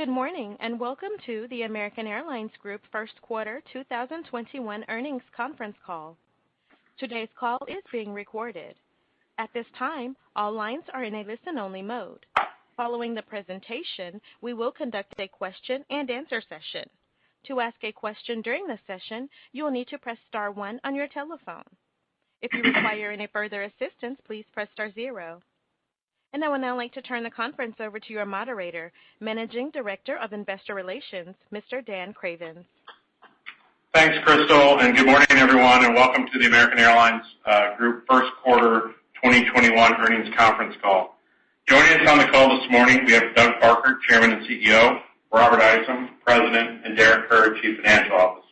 Good morning, welcome to the American Airlines Group first quarter 2021 earnings conference call. Today's call is being recorded. At this time, all lines are in a listen-only mode. Following the presentation, we will conduct a question and answer session. To ask a question during the session, you will need to press star one on your telephone. If you require any further assistance, please press star zero. I would now like to turn the conference over to your moderator, Managing Director of Investor Relations, Mr. Daniel Cravens. Thanks, Crystal, good morning, everyone, and welcome to the American Airlines Group first quarter 2021 earnings conference call. Joining us on the call this morning, we have Doug Parker, Chairman and CEO, Robert Isom, President, and Derek Kerr, Chief Financial Officer.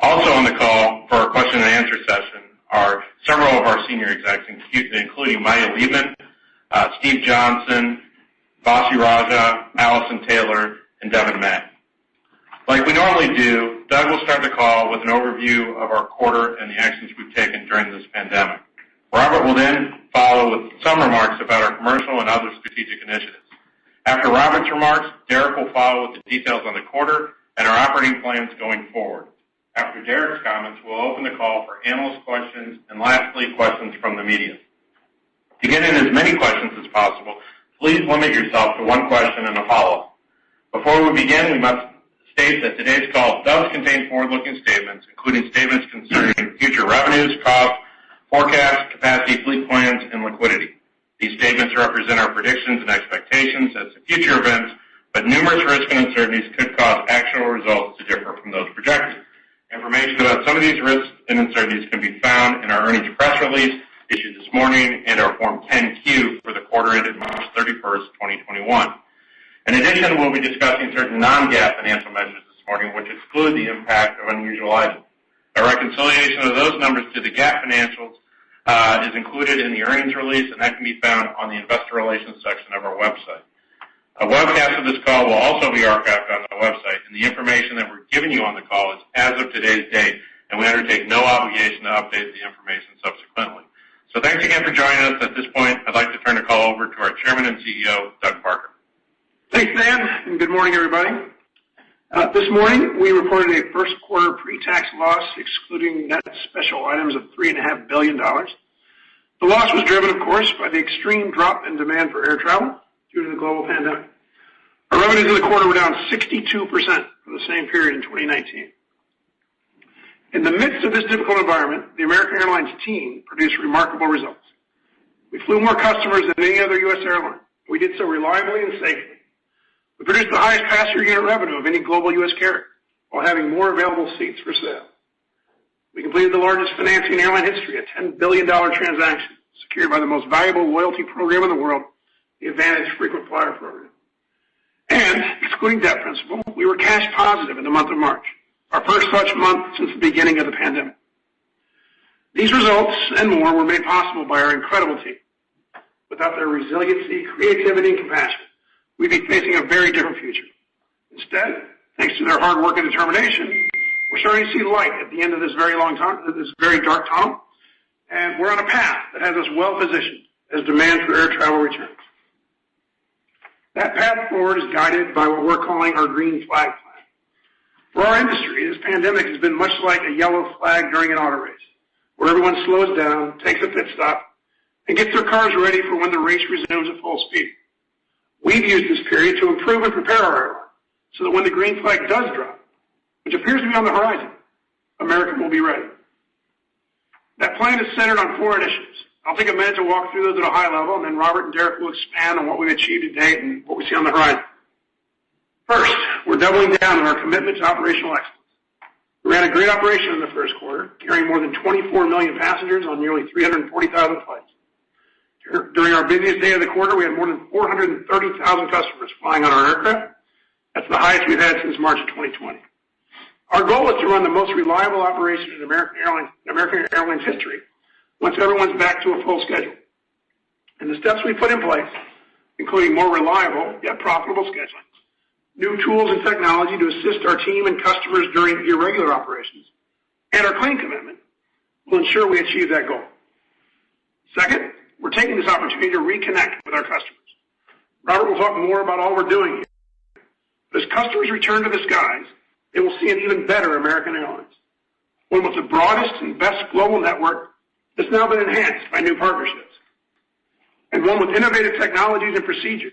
Also on the call for our question and answer session are several of our senior execs and team, including Maya Leibman, Steve Johnson, Vasu Raja, Alison Taylor, and Devon May. Like we normally do, Doug will start the call with an overview of our quarter and the actions we've taken during this pandemic. Robert will follow with some remarks about our commercial and other strategic initiatives. After Robert's remarks, Derek will follow with the details on the quarter and our operating plans going forward. After Derek's comments, we'll open the call for analyst questions and lastly, questions from the media. To get in as many questions as possible, please limit yourself to one question and a follow-up. Before we begin, we must state that today's call does contain forward-looking statements, including statements concerning future revenues, costs, forecasts, capacity, fleet plans, and liquidity. These statements represent our predictions and expectations as to future events, but numerous risks and uncertainties could cause actual results to differ from those projected. Information about some of these risks and uncertainties can be found in our earnings press release issued this morning and our Form 10-Q for the quarter ended March 31st 2021. In addition, we'll be discussing certain non-GAAP financial measures this morning, which exclude the impact of unusual items. A reconciliation of those numbers to the GAAP financials is included in the earnings release, and that can be found on the investor relations section of our website. A webcast of this call will also be archived on our website. The information that we're giving you on the call is as of today's date. We undertake no obligation to update the information subsequently. Thanks again for joining us. At this point, I'd like to turn the call over to our Chairman and CEO, Doug Parker. Thanks, Dan. Good morning, everybody. This morning, we reported a first quarter pre-tax loss excluding net special items of $3.5 billion. The loss was driven, of course, by the extreme drop in demand for air travel due to the global pandemic. Our revenues in the quarter were down 62% from the same period in 2019. In the midst of this difficult environment, the American Airlines team produced remarkable results. We flew more customers than any other US airline. We did so reliably and safely. We produced the highest passenger unit revenue of any global US carrier while having more available seats for sale. We completed the largest financing in airline history, a $10 billion transaction secured by the most valuable loyalty program in the world, the AAdvantage frequent flyer program. Excluding debt principal, we were cash positive in the month of March, our first such month since the beginning of the pandemic. These results and more were made possible by our incredible team. Without their resiliency, creativity, and compassion, we'd be facing a very different future. Instead, thanks to their hard work and determination, we're starting to see light at the end of this very long, dark tunnel, and we're on a path that has us well-positioned as demand for air travel returns. That path forward is guided by what we're calling our Green Flag Plan. For our industry, this pandemic has been much like a yellow flag during an auto race where everyone slows down, takes a pit stop, and gets their cars ready for when the race resumes at full speed. We've used this period to improve and prepare our airline so that when the Green Flag Plan does drop, which appears to be on the horizon, American Airlines will be ready. That plan is centered on four initiatives. I'll take a minute to walk through those at a high level, and then Robert Isom and Derek Kerr will expand on what we've achieved to date and what we see on the horizon. First, we're doubling down on our commitment to operational excellence. We ran a great operation in the first quarter, carrying more than 24 million passengers on nearly 340,000 flights. During our busiest day of the quarter, we had more than 430,000 customers flying on our aircraft. That's the highest we've had since March of 2020. Our goal is to run the most reliable operation in American Airlines history once everyone's back to a full schedule. The steps we've put in place, including more reliable yet profitable scheduling, new tools and technology to assist our team and customers during irregular operations, and our clean commitment, will ensure we achieve that goal. Second, we're taking this opportunity to reconnect with our customers. Robert will talk more about all we're doing here. As customers return to the skies, they will see an even better American Airlines, one with the broadest and best global network that's now been enhanced by new partnerships, and one with innovative technologies and procedures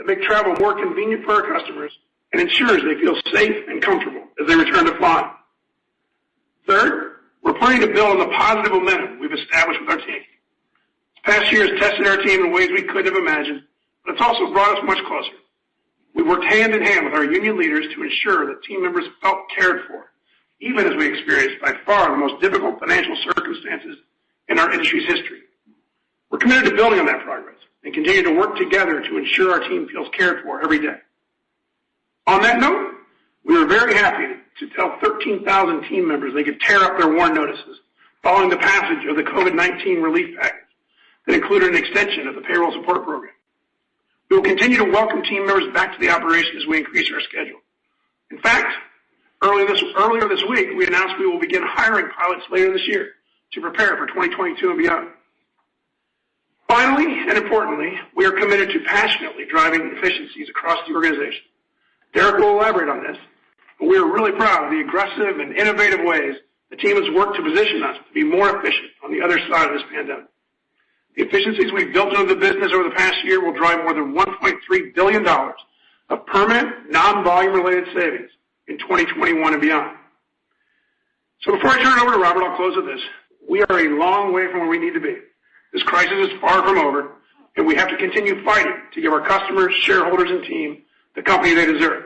that make travel more convenient for our customers and ensures they feel safe and comfortable as they return to flying. Third, we're planning to build on the positive momentum we've established with our team. This past year has tested our team in ways we couldn't have imagined, but it's also brought us much closer. We worked hand in hand with our union leaders to ensure that team members felt cared for, even as we experienced by far the most difficult financial circumstances in our industry's history. We're committed to building on that progress and continue to work together to ensure our team feels cared for every day. On that note, we are very happy to tell 13,000 team members they could tear up their WARN notices following the passage of the COVID-19 relief package that included an extension of the Payroll Support Program. We will continue to welcome team members back to the operation as we increase our schedule. In fact, earlier this week, we announced we will begin hiring pilots later this year to prepare for 2022 and beyond. Finally, and importantly, we are committed to passionately driving efficiencies across the organization. Derek will elaborate on this. We are really proud of the aggressive and innovative ways the team has worked to position us to be more efficient on the other side of this pandemic. The efficiencies we've built into the business over the past year will drive more than $1.3 billion of permanent non-volume related savings in 2021 and beyond. Before I turn it over to Robert, I'll close with this. We are a long way from where we need to be. This crisis is far from over. We have to continue fighting to give our customers, shareholders, and team the company they deserve.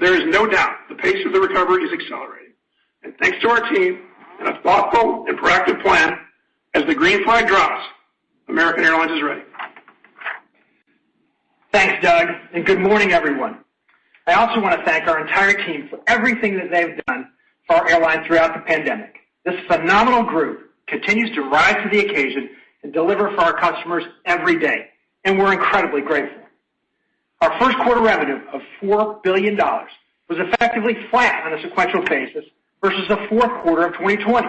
There is no doubt the pace of the recovery is accelerating. Thanks to our team and a thoughtful and proactive plan, as the Green Flag drops, American Airlines is ready. Thanks, Doug. Good morning, everyone. I also want to thank our entire team for everything that they've done for our airline throughout the pandemic. This phenomenal group continues to rise to the occasion and deliver for our customers every day, and we're incredibly grateful. Our first quarter revenue of $4 billion was effectively flat on a sequential basis versus the fourth quarter of 2020.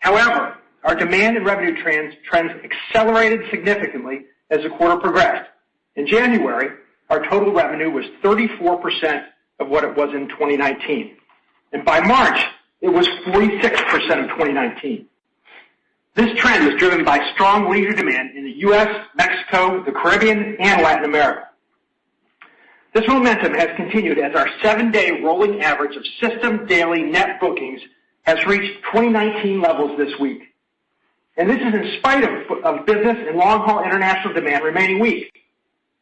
However, our demand and revenue trends accelerated significantly as the quarter progressed. In January, our total revenue was 34% of what it was in 2019. By March, it was 46% of 2019. This trend was driven by strong leisure demand in the U.S., Mexico, the Caribbean, and Latin America. This momentum has continued as our seven-day rolling average of system daily net bookings has reached 2019 levels this week. This is in spite of business and long-haul international demand remaining weak,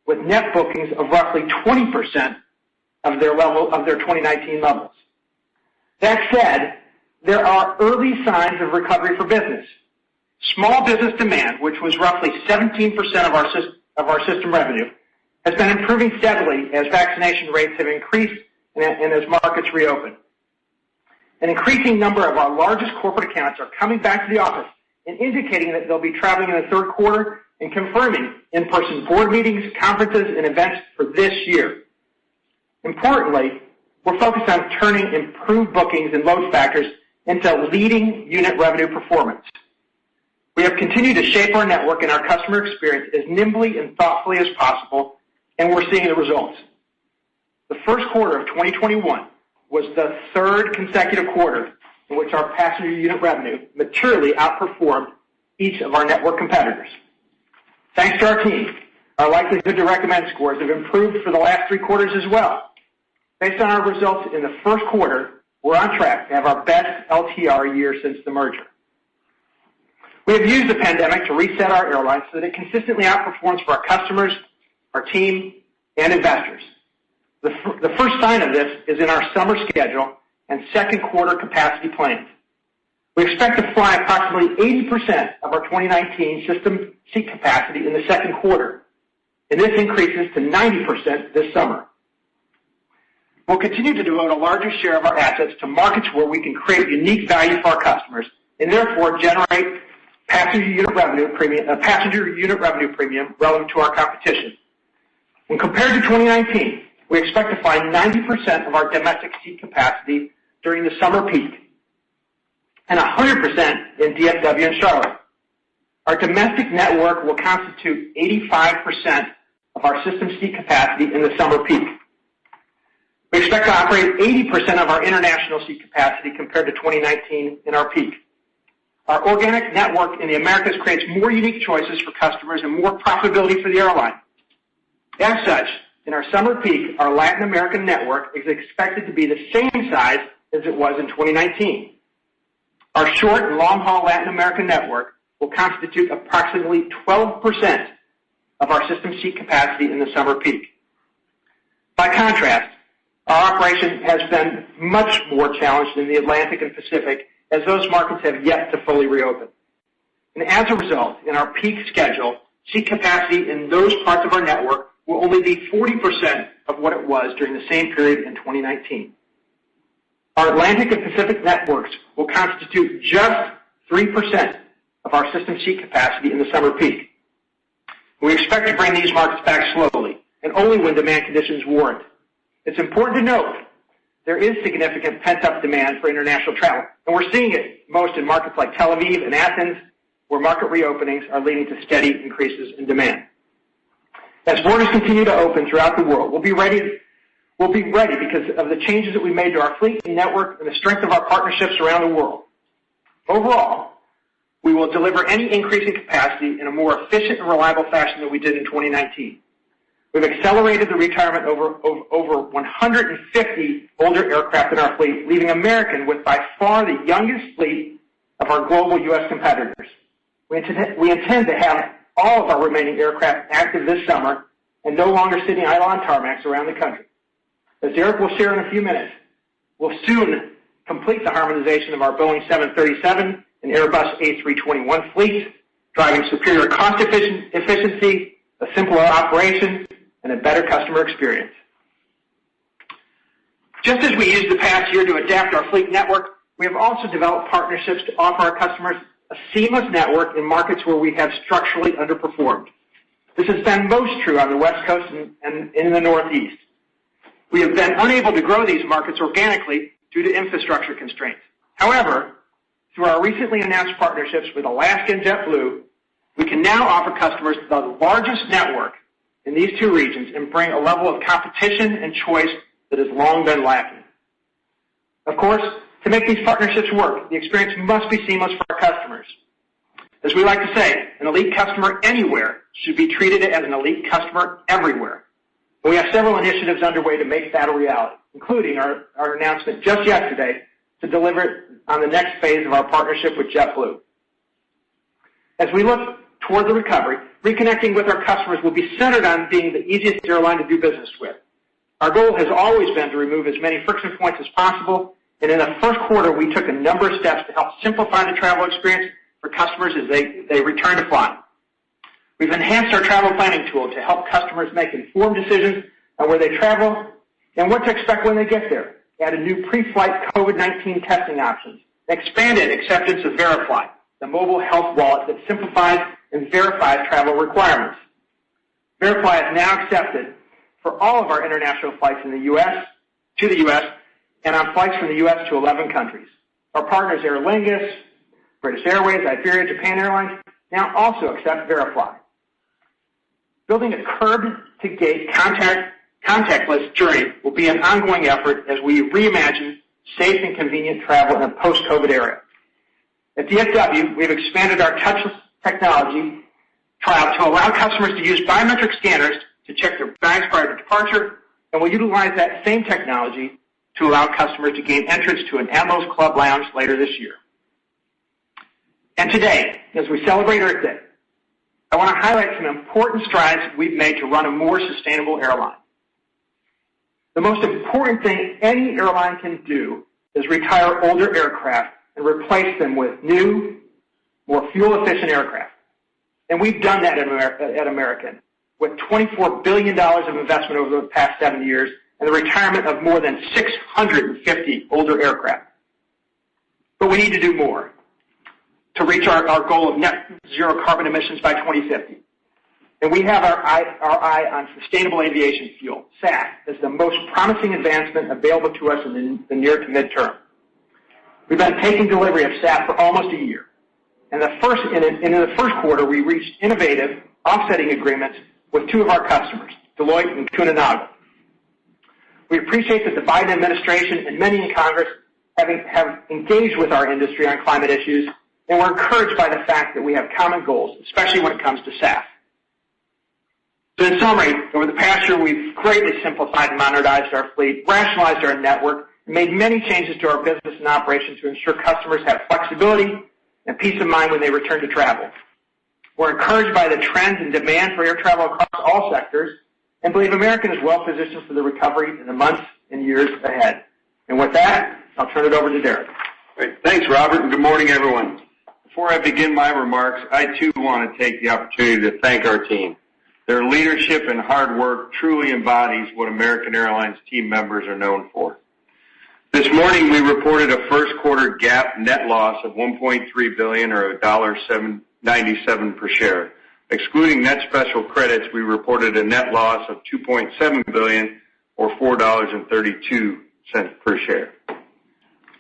with net bookings of roughly 20% of their 2019 levels. That said, there are early signs of recovery for business. Small business demand, which was roughly 17% of our system revenue, has been improving steadily as vaccination rates have increased and as markets reopen. An increasing number of our largest corporate accounts are coming back to the office and indicating that they'll be traveling in the third quarter and confirming in-person board meetings, conferences, and events for this year. Importantly, we're focused on turning improved bookings and load factors into leading unit revenue performance. We have continued to shape our network and our customer experience as nimbly and thoughtfully as possible, and we're seeing the results. The first quarter of 2021 was the third consecutive quarter in which our passenger unit revenue materially outperformed each of our network competitors. Thanks to our team, our likelihood to recommend scores have improved for the last three quarters as well. Based on our results in the first quarter, we're on track to have our best LTR year since the merger. We have used the pandemic to reset our airline so that it consistently outperforms for our customers, our team, and investors. The first sign of this is in our summer schedule and second quarter capacity plans. We expect to fly approximately 80% of our 2019 system seat capacity in the second quarter, and this increases to 90% this summer. We'll continue to devote a larger share of our assets to markets where we can create unique value for our customers and therefore generate a passenger unit revenue premium relative to our competition. When compared to 2019, we expect to fly 90% of our domestic seat capacity during the summer peak and 100% in DFW and Charlotte. Our domestic network will constitute 85% of our system seat capacity in the summer peak. We expect to operate 80% of our international seat capacity compared to 2019 in our peak. Our organic network in the Americas creates more unique choices for customers and more profitability for the airline. As such, in our summer peak, our Latin American network is expected to be the same size as it was in 2019. Our short and long-haul Latin American network will constitute approximately 12% of our system seat capacity in the summer peak. By contrast, our operation has been much more challenged in the Atlantic and Pacific as those markets have yet to fully reopen. As a result, in our peak schedule, seat capacity in those parts of our network will only be 40% of what it was during the same period in 2019. Our Atlantic and Pacific networks will constitute just 3% of our system seat capacity in the summer peak. We expect to bring these markets back slowly and only when demand conditions warrant. It's important to note there is significant pent-up demand for international travel, and we're seeing it most in markets like Tel Aviv and Athens, where market reopenings are leading to steady increases in demand. As borders continue to open throughout the world, we'll be ready because of the changes that we made to our fleet and network and the strength of our partnerships around the world. Overall, we will deliver any increase in capacity in a more efficient and reliable fashion than we did in 2019. We've accelerated the retirement of over 150 older aircraft in our fleet, leaving American with by far the youngest fleet of our global U.S. competitors. We intend to have all of our remaining aircraft active this summer and no longer sitting idle on tarmacs around the country. As Derek will share in a few minutes, we'll soon complete the harmonization of our Boeing 737 and Airbus A321 fleet, driving superior cost efficiency, a simpler operation, and a better customer experience. Just as we used the past year to adapt our fleet network. We also developed partnerships to offer our customers a seamless network in markets where we have structurally underperformed. This has been most true on the West Coast and in the Northeast. We have been unable to grow these markets organically due to infrastructure constraints. However, through our recently announced partnerships with Alaska and JetBlue, we can now offer customers the largest network in these two regions and bring a level of competition and choice that has long been lacking. Of course, to make these partnerships work, the experience must be seamless for our customers. As we like to say, an elite customer anywhere should be treated as an elite customer everywhere. We have several initiatives underway to make that a reality, including our announcement just yesterday to deliver on the next phase of our partnership with JetBlue. As we look toward the recovery, reconnecting with our customers will be centered on being the easiest airline to do business with. Our goal has always been to remove as many friction points as possible, and in the first quarter, we took a number of steps to help simplify the travel experience for customers as they return to flying. We've enhanced our travel planning tool to help customers make informed decisions on where they travel and what to expect when they get there. We added new pre-flight COVID-19 testing options, expanded acceptance of VeriFLY, the mobile health wallet that simplifies and verifies travel requirements. VeriFLY is now accepted for all of our international flights to the U.S. and on flights from the U.S. to 11 countries. Our partners, Aer Lingus, British Airways, Iberia, Japan Airlines, now also accept VeriFLY. Building a curb-to-gate contactless journey will be an ongoing effort as we reimagine safe and convenient travel in a post-COVID era. At DFW, we have expanded our touchless technology trial to allow customers to use biometric scanners to check their bags prior to departure, and we'll utilize that same technology to allow customers to gain entrance to an Admirals Club lounge later this year. Today, as we celebrate Earth Day, I want to highlight some important strides we've made to run a more sustainable airline. The most important thing any airline can do is retire older aircraft and replace them with new, more fuel-efficient aircraft. We've done that at American with $24 billion of investment over the past seven years and the retirement of more than 650 older aircraft. We need to do more to reach our goal of net zero carbon emissions by 2050, and we have our eye on sustainable aviation fuel. SAF is the most promising advancement available to us in the near to midterm. We've been taking delivery of SAF for almost a year. In the first quarter, we reached innovative offsetting agreements with two of our customers, Deloitte and Kuehne+Nagel. We appreciate that the Biden administration and many in Congress have engaged with our industry on climate issues. We're encouraged by the fact that we have common goals, especially when it comes to SAF. In summary, over the past year, we've greatly simplified and modernized our fleet, rationalized our network, and made many changes to our business and operations to ensure customers have flexibility and peace of mind when they return to travel. We're encouraged by the trends and demand for air travel across all sectors and believe American is well-positioned for the recovery in the months and years ahead. With that, I'll turn it over to Derek. Great. Thanks, Robert, and good morning, everyone. Before I begin my remarks, I too want to take the opportunity to thank our team. Their leadership and hard work truly embodies what American Airlines team members are known for. This morning, we reported a first quarter GAAP net loss of $1.3 billion or a $1.97 per share. Excluding net special credits, we reported a net loss of $2.7 billion or $4.32 per share.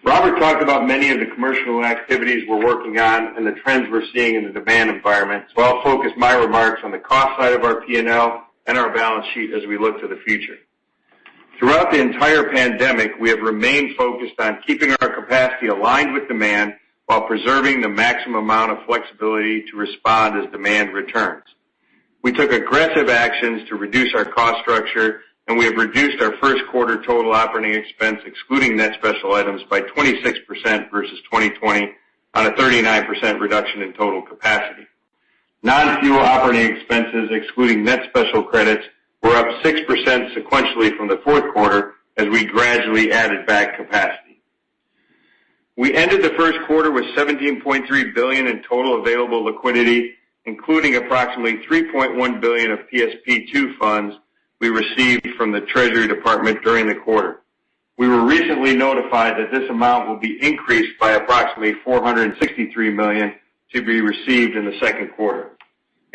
Robert talked about many of the commercial activities we're working on and the trends we're seeing in the demand environment. I'll focus my remarks on the cost side of our P&L and our balance sheet as we look to the future. Throughout the entire pandemic, we have remained focused on keeping our capacity aligned with demand while preserving the maximum amount of flexibility to respond as demand returns. We took aggressive actions to reduce our cost structure, and we have reduced our first quarter total operating expense, excluding net special items, by 26% versus 2020 on a 39% reduction in total capacity. Non-fuel operating expenses, excluding net special credits, were up 6% sequentially from the fourth quarter as we gradually added back capacity. We ended the first quarter with $17.3 billion in total available liquidity, including approximately $3.1 billion of PSP 2 funds we received from the Treasury Department during the quarter. We were recently notified that this amount will be increased by approximately $463 million to be received in the second quarter.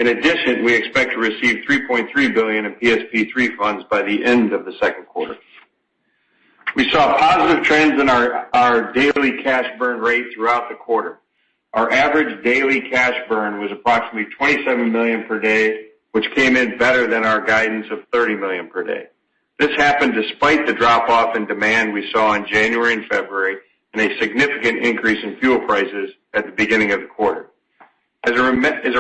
In addition, we expect to receive $3.3 billion in PSP 3 funds by the end of the second quarter. We saw positive trends in our daily cash burn rate throughout the quarter. Our average daily cash burn was approximately $27 million per day, which came in better than our guidance of $30 million per day. This happened despite the drop-off in demand we saw in January and February and a significant increase in fuel prices at the beginning of the quarter. As a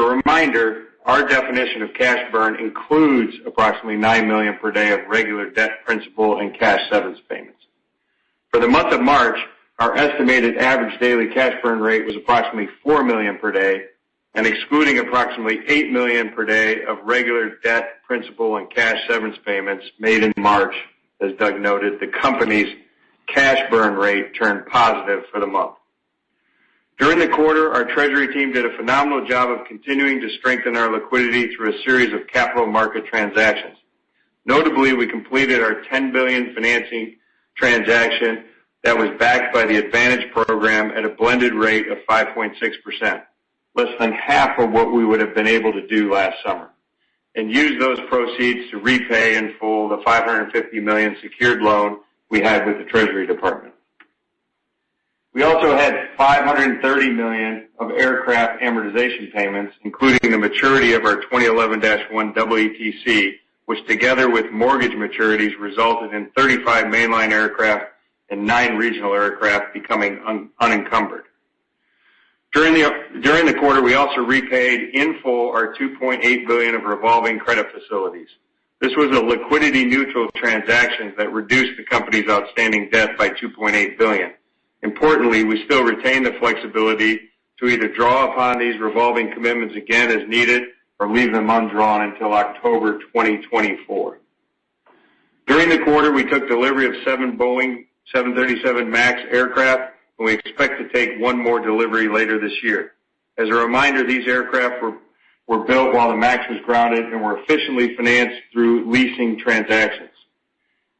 reminder, our definition of cash burn includes approximately $9 million per day of regular debt principal and cash severance payments. For the month of March, our estimated average daily cash burn rate was approximately $4 million per day, and excluding approximately $8 million per day of regular debt principal and cash severance payments made in March, as Doug noted, the company's cash burn rate turned positive for the month. During the quarter, our treasury team did a phenomenal job of continuing to strengthen our liquidity through a series of capital market transactions. Notably, we completed our $10 billion financing transaction that was backed by the AAdvantage Program at a blended rate of 5.6%, less than half of what we would've been able to do last summer, and used those proceeds to repay in full the $550 million secured loan we had with the Department of the Treasury. We also had $530 million of aircraft amortization payments, including the maturity of our 2011-1 WTC, which together with mortgage maturities, resulted in 35 mainline aircraft and nine regional aircraft becoming unencumbered. During the quarter, we also repaid in full our $2.8 billion of revolving credit facilities. This was a liquidity-neutral transaction that reduced the company's outstanding debt by $2.8 billion. Importantly, we still retain the flexibility to either draw upon these revolving commitments again as needed or leave them undrawn until October 2024. During the quarter, we took delivery of seven Boeing 737 MAX aircraft, and we expect to take one more delivery later this year. As a reminder, these aircraft were built while the MAX was grounded and were efficiently financed through leasing transactions.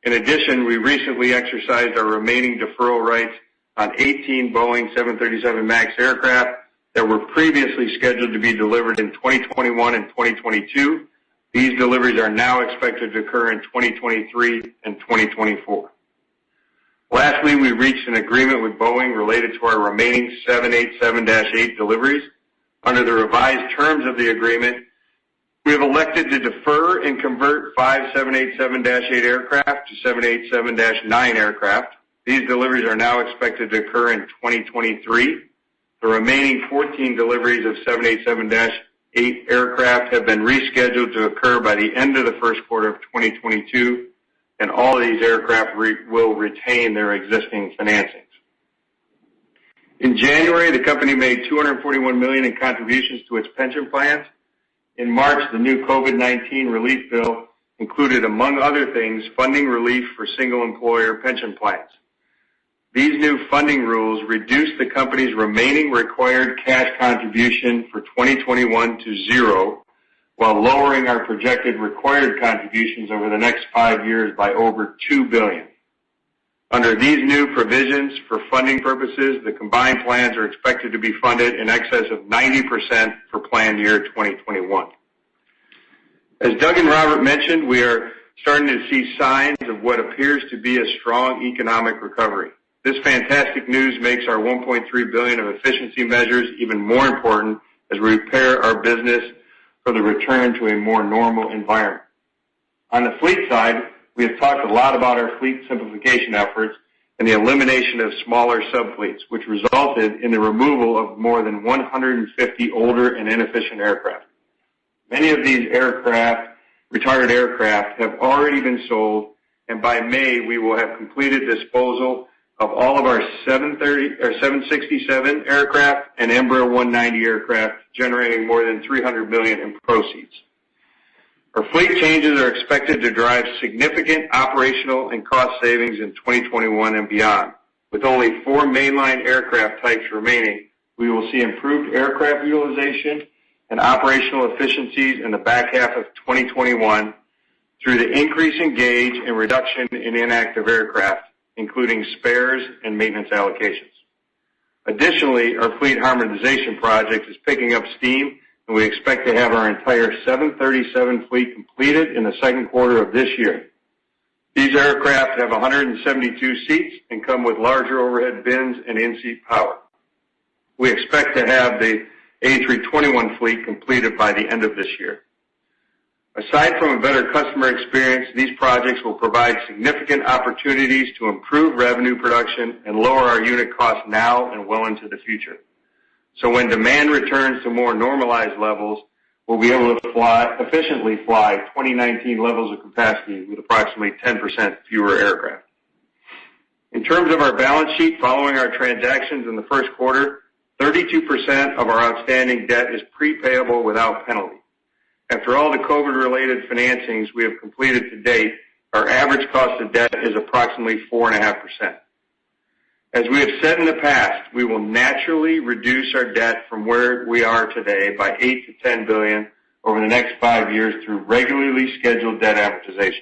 In addition, we recently exercised our remaining deferral rights on 18 Boeing 737 MAX aircraft that were previously scheduled to be delivered in 2021 and 2022. These deliveries are now expected to occur in 2023 and 2024. Lastly, we reached an agreement with Boeing related to our remaining 787-8 deliveries. Under the revised terms of the agreement, we have elected to defer and convert five 787-8 aircraft to 787-9 aircraft. These deliveries are now expected to occur in 2023. The remaining 14 deliveries of 787-8 aircraft have been rescheduled to occur by the end of the first quarter of 2022, and all these aircraft will retain their existing financings. In January, the company made $241 million in contributions to its pension plans. In March, the new COVID-19 relief bill included, among other things, funding relief for single-employer pension plans. These new funding rules reduced the company's remaining required cash contribution for 2021 to zero, while lowering our projected required contributions over the next five years by over $2 billion. Under these new provisions for funding purposes, the combined plans are expected to be funded in excess of 90% for plan year 2021. As Doug and Robert mentioned, we are starting to see signs of what appears to be a strong economic recovery. This fantastic news makes our $1.3 billion of efficiency measures even more important as we prepare our business for the return to a more normal environment. On the fleet side, we have talked a lot about our fleet simplification efforts and the elimination of smaller sub-fleets, which resulted in the removal of more than 150 older and inefficient aircraft. Many of these retired aircraft have already been sold, and by May, we will have completed disposal of all of our 767 aircraft and Embraer 190 aircraft, generating more than $300 million in proceeds. Our fleet changes are expected to drive significant operational and cost savings in 2021 and beyond. With only four mainline aircraft types remaining, we will see improved aircraft utilization and operational efficiencies in the back half of 2021 through the increase in gauge and reduction in inactive aircraft, including spares and maintenance allocations. Additionally, our fleet harmonization project is picking up steam, and we expect to have our entire 737 fleet completed in the second quarter of this year. These aircraft have 172 seats and come with larger overhead bins and in-seat power. We expect to have the A321 fleet completed by the end of this year. Aside from a better customer experience, these projects will provide significant opportunities to improve revenue production and lower our unit cost now and well into the future. When demand returns to more normalized levels, we'll be able to efficiently fly 2019 levels of capacity with approximately 10% fewer aircraft. In terms of our balance sheet following our transactions in the first quarter, 32% of our outstanding debt is prepayable without penalty. After all the COVID-19-related financings we have completed to date, our average cost of debt is approximately 4.5%. As we have said in the past, we will naturally reduce our debt from where we are today by $8 billion-$10 billion over the next five years through regularly scheduled debt amortization.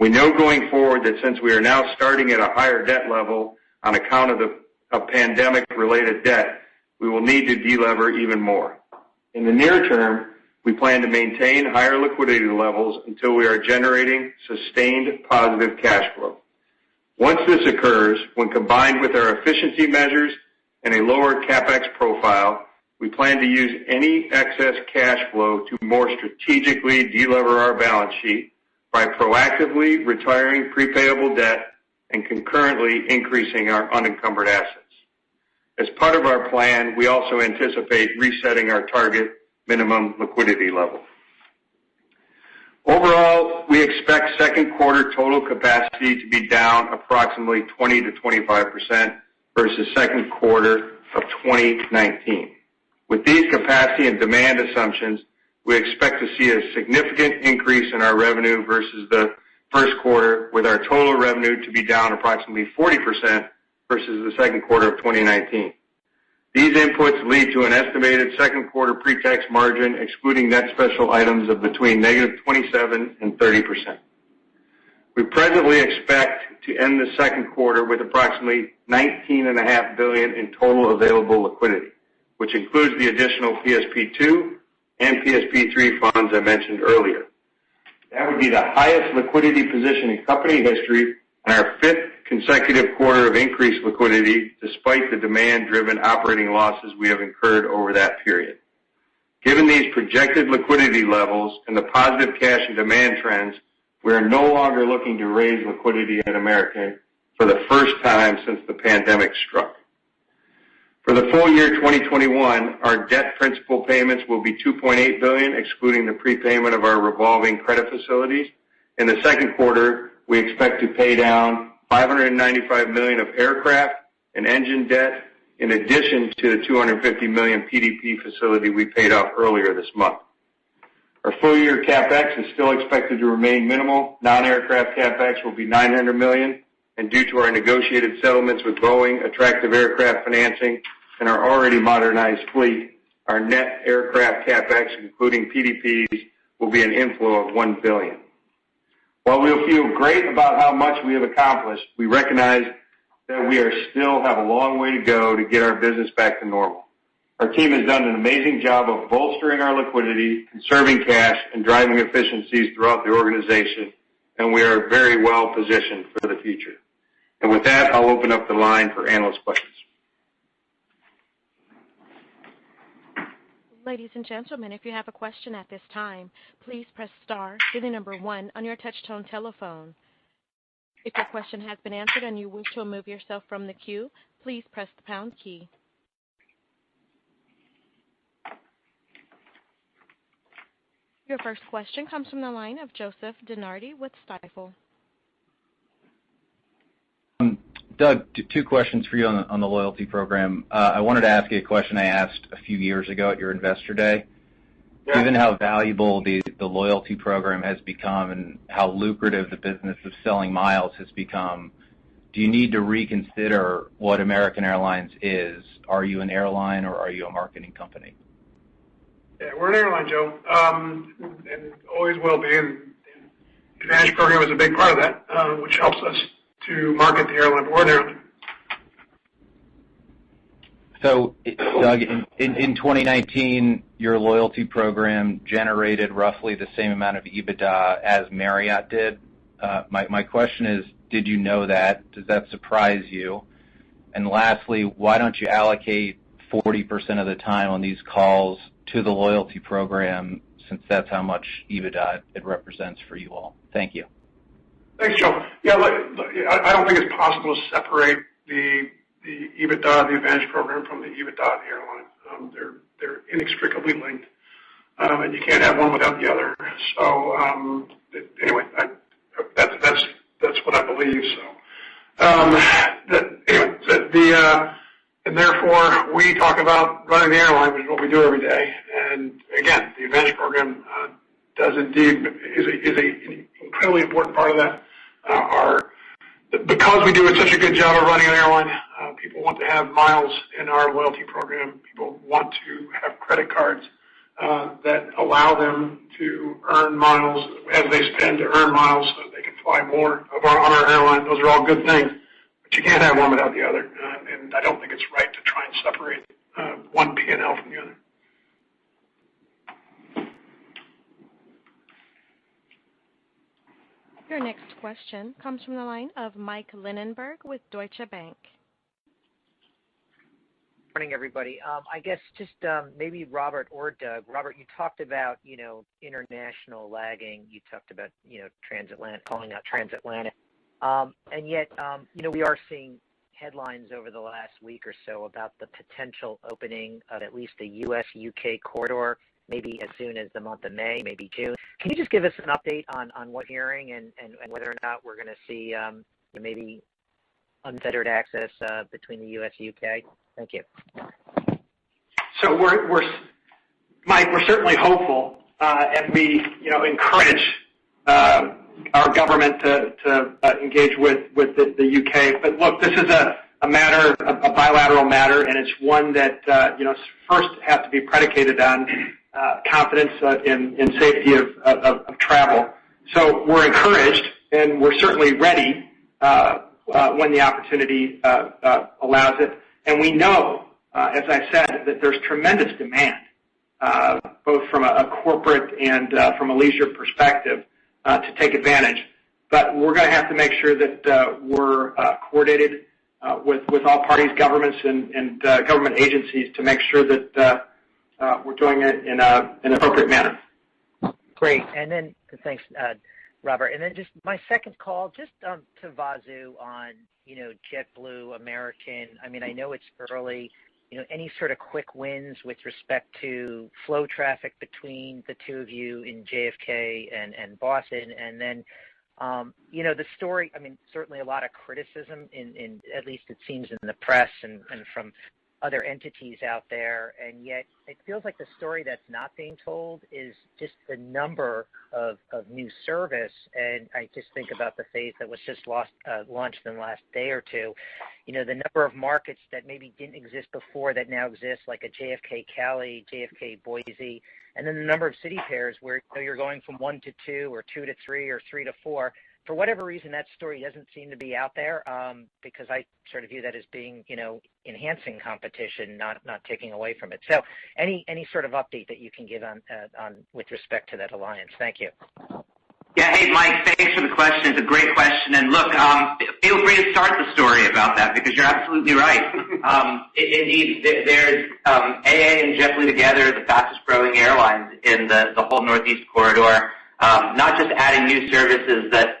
We know going forward that since we are now starting at a higher debt level on account of pandemic-related debt, we will need to de-lever even more. In the near term, we plan to maintain higher liquidity levels until we are generating sustained positive cash flow. Once this occurs, when combined with our efficiency measures and a lower CapEx profile, we plan to use any excess cash flow to more strategically de-lever our balance sheet by proactively retiring prepayable debt and concurrently increasing our unencumbered assets. As part of our plan, we also anticipate resetting our target minimum liquidity level. Overall, we expect second quarter total capacity to be down approximately 20%-25% versus second quarter of 2019. With these capacity and demand assumptions, we expect to see a significant increase in our revenue versus the first quarter, with our total revenue to be down approximately 40% versus the second quarter of 2019. These inputs lead to an estimated second quarter pre-tax margin, excluding net special items, of between negative 27% and 30%. We presently expect to end the second quarter with approximately $19.5 billion in total available liquidity, which includes the additional PSP 2 and PSP 3 funds I mentioned earlier. That would be the highest liquidity position in company history and our fifth consecutive quarter of increased liquidity, despite the demand-driven operating losses we have incurred over that period. Given these projected liquidity levels and the positive cash and demand trends, we are no longer looking to raise liquidity at American for the first time since the COVID-19 pandemic struck. For the full year 2021, our debt principal payments will be $2.8 billion, excluding the prepayment of our revolving credit facilities. In the second quarter, we expect to pay down $595 million of aircraft and engine debt, in addition to the $250 million PDP facility we paid off earlier this month. Our full-year CapEx is still expected to remain minimal. Non-aircraft CapEx will be $900 million, and due to our negotiated settlements with Boeing, attractive aircraft financing, and our already modernized fleet, our net aircraft CapEx, including PDPs, will be an inflow of $1 billion. While we feel great about how much we have accomplished, we recognize that we still have a long way to go to get our business back to normal. Our team has done an amazing job of bolstering our liquidity, conserving cash, and driving efficiencies throughout the organization, and we are very well positioned for the future. With that, I'll open up the line for analyst questions. Your first question comes from the line of Joseph DeNardi with Stifel. Doug, two questions for you on the loyalty program. I wanted to ask you a question I asked a few years ago at your Investor Day. Yeah. Given how valuable the loyalty program has become and how lucrative the business of selling miles has become, do you need to reconsider what American Airlines is? Are you an airline, or are you a marketing company? We're an airline, Joe. Always will be, and AAdvantage Program is a big part of that, which helps us to market the airline. We're an airline. Doug, in 2019, your loyalty program generated roughly the same amount of EBITDA as Marriott did. My question is, did you know that? Does that surprise you? Lastly, why don't you allocate 40% of the time on these calls to the loyalty program since that's how much EBITDA it represents for you all? Thank you. Thanks, Joe. Yeah, look, I don't think it's possible to separate the EBITDA of the AAdvantage Program from the EBITDA of the airline. They're inextricably linked. You can't have one without the other. Anyway, that's what I believe. Therefore, we talk about running the airline, which is what we do every day. Again, the AAdvantage Program is an incredibly important part of that. Because we do such a good job of running an airline, people want to have miles in our loyalty program. People want to have credit cards that allow them to earn miles as they spend, to earn miles so that they can fly more on our airline. Those are all good things. You can't have one without the other. I don't think it's right to try and separate one P&L from the other. Your next question comes from the line of Mike Linenberg with Deutsche Bank. Morning, everybody. I guess just maybe Robert or Doug. Robert, you talked about international lagging. You talked about calling out transatlantic. Yet, we are seeing headlines over the last week or so about the potential opening of at least the U.S.-U.K. corridor, maybe as soon as the month of May, maybe June. Can you just give us an update on what you're hearing and whether or not we're going to see maybe unfettered access between the U.S. and U.K.? Thank you. Mike, we're certainly hopeful, and we encourage our government to engage with the U.K. Look, this is a bilateral matter, and it's one that first has to be predicated on confidence in safety of travel. We're encouraged, and we're certainly ready when the opportunity allows it. We know, as I said, that there's tremendous demand, both from a corporate and from a leisure perspective to take advantage. We're going to have to make sure that we're coordinated with all parties, governments, and government agencies to make sure that we're doing it in an appropriate manner. Great. Thanks, Doug.Robert. Just my second call, just to Vasu on JetBlue, American. I know it's early. Any sort of quick wins with respect to flow traffic between the two of you in JFK and Boston? The story, certainly a lot of criticism in, at least it seems in the press and from other entities out there, and yet it feels like the story that's not being told is just the number of new service. I just think about the phase that was just launched in the last day or two. The number of markets that maybe didn't exist before that now exist, like a JFK-Cali, JFK-Boise, and then the number of city pairs where you're going from one to two, or two to three, or three to four. For whatever reason, that story doesn't seem to be out there, because I sort of view that as being enhancing competition, not taking away from it. Any sort of update that you can give with respect to that alliance? Thank you. Hey, Mike, thanks for the question. It is a great question. Look, feel free to start the story about that, because you are absolutely right. AA and JetBlue together are the fastest-growing airlines in the whole Northeast Corridor. Not just adding new services that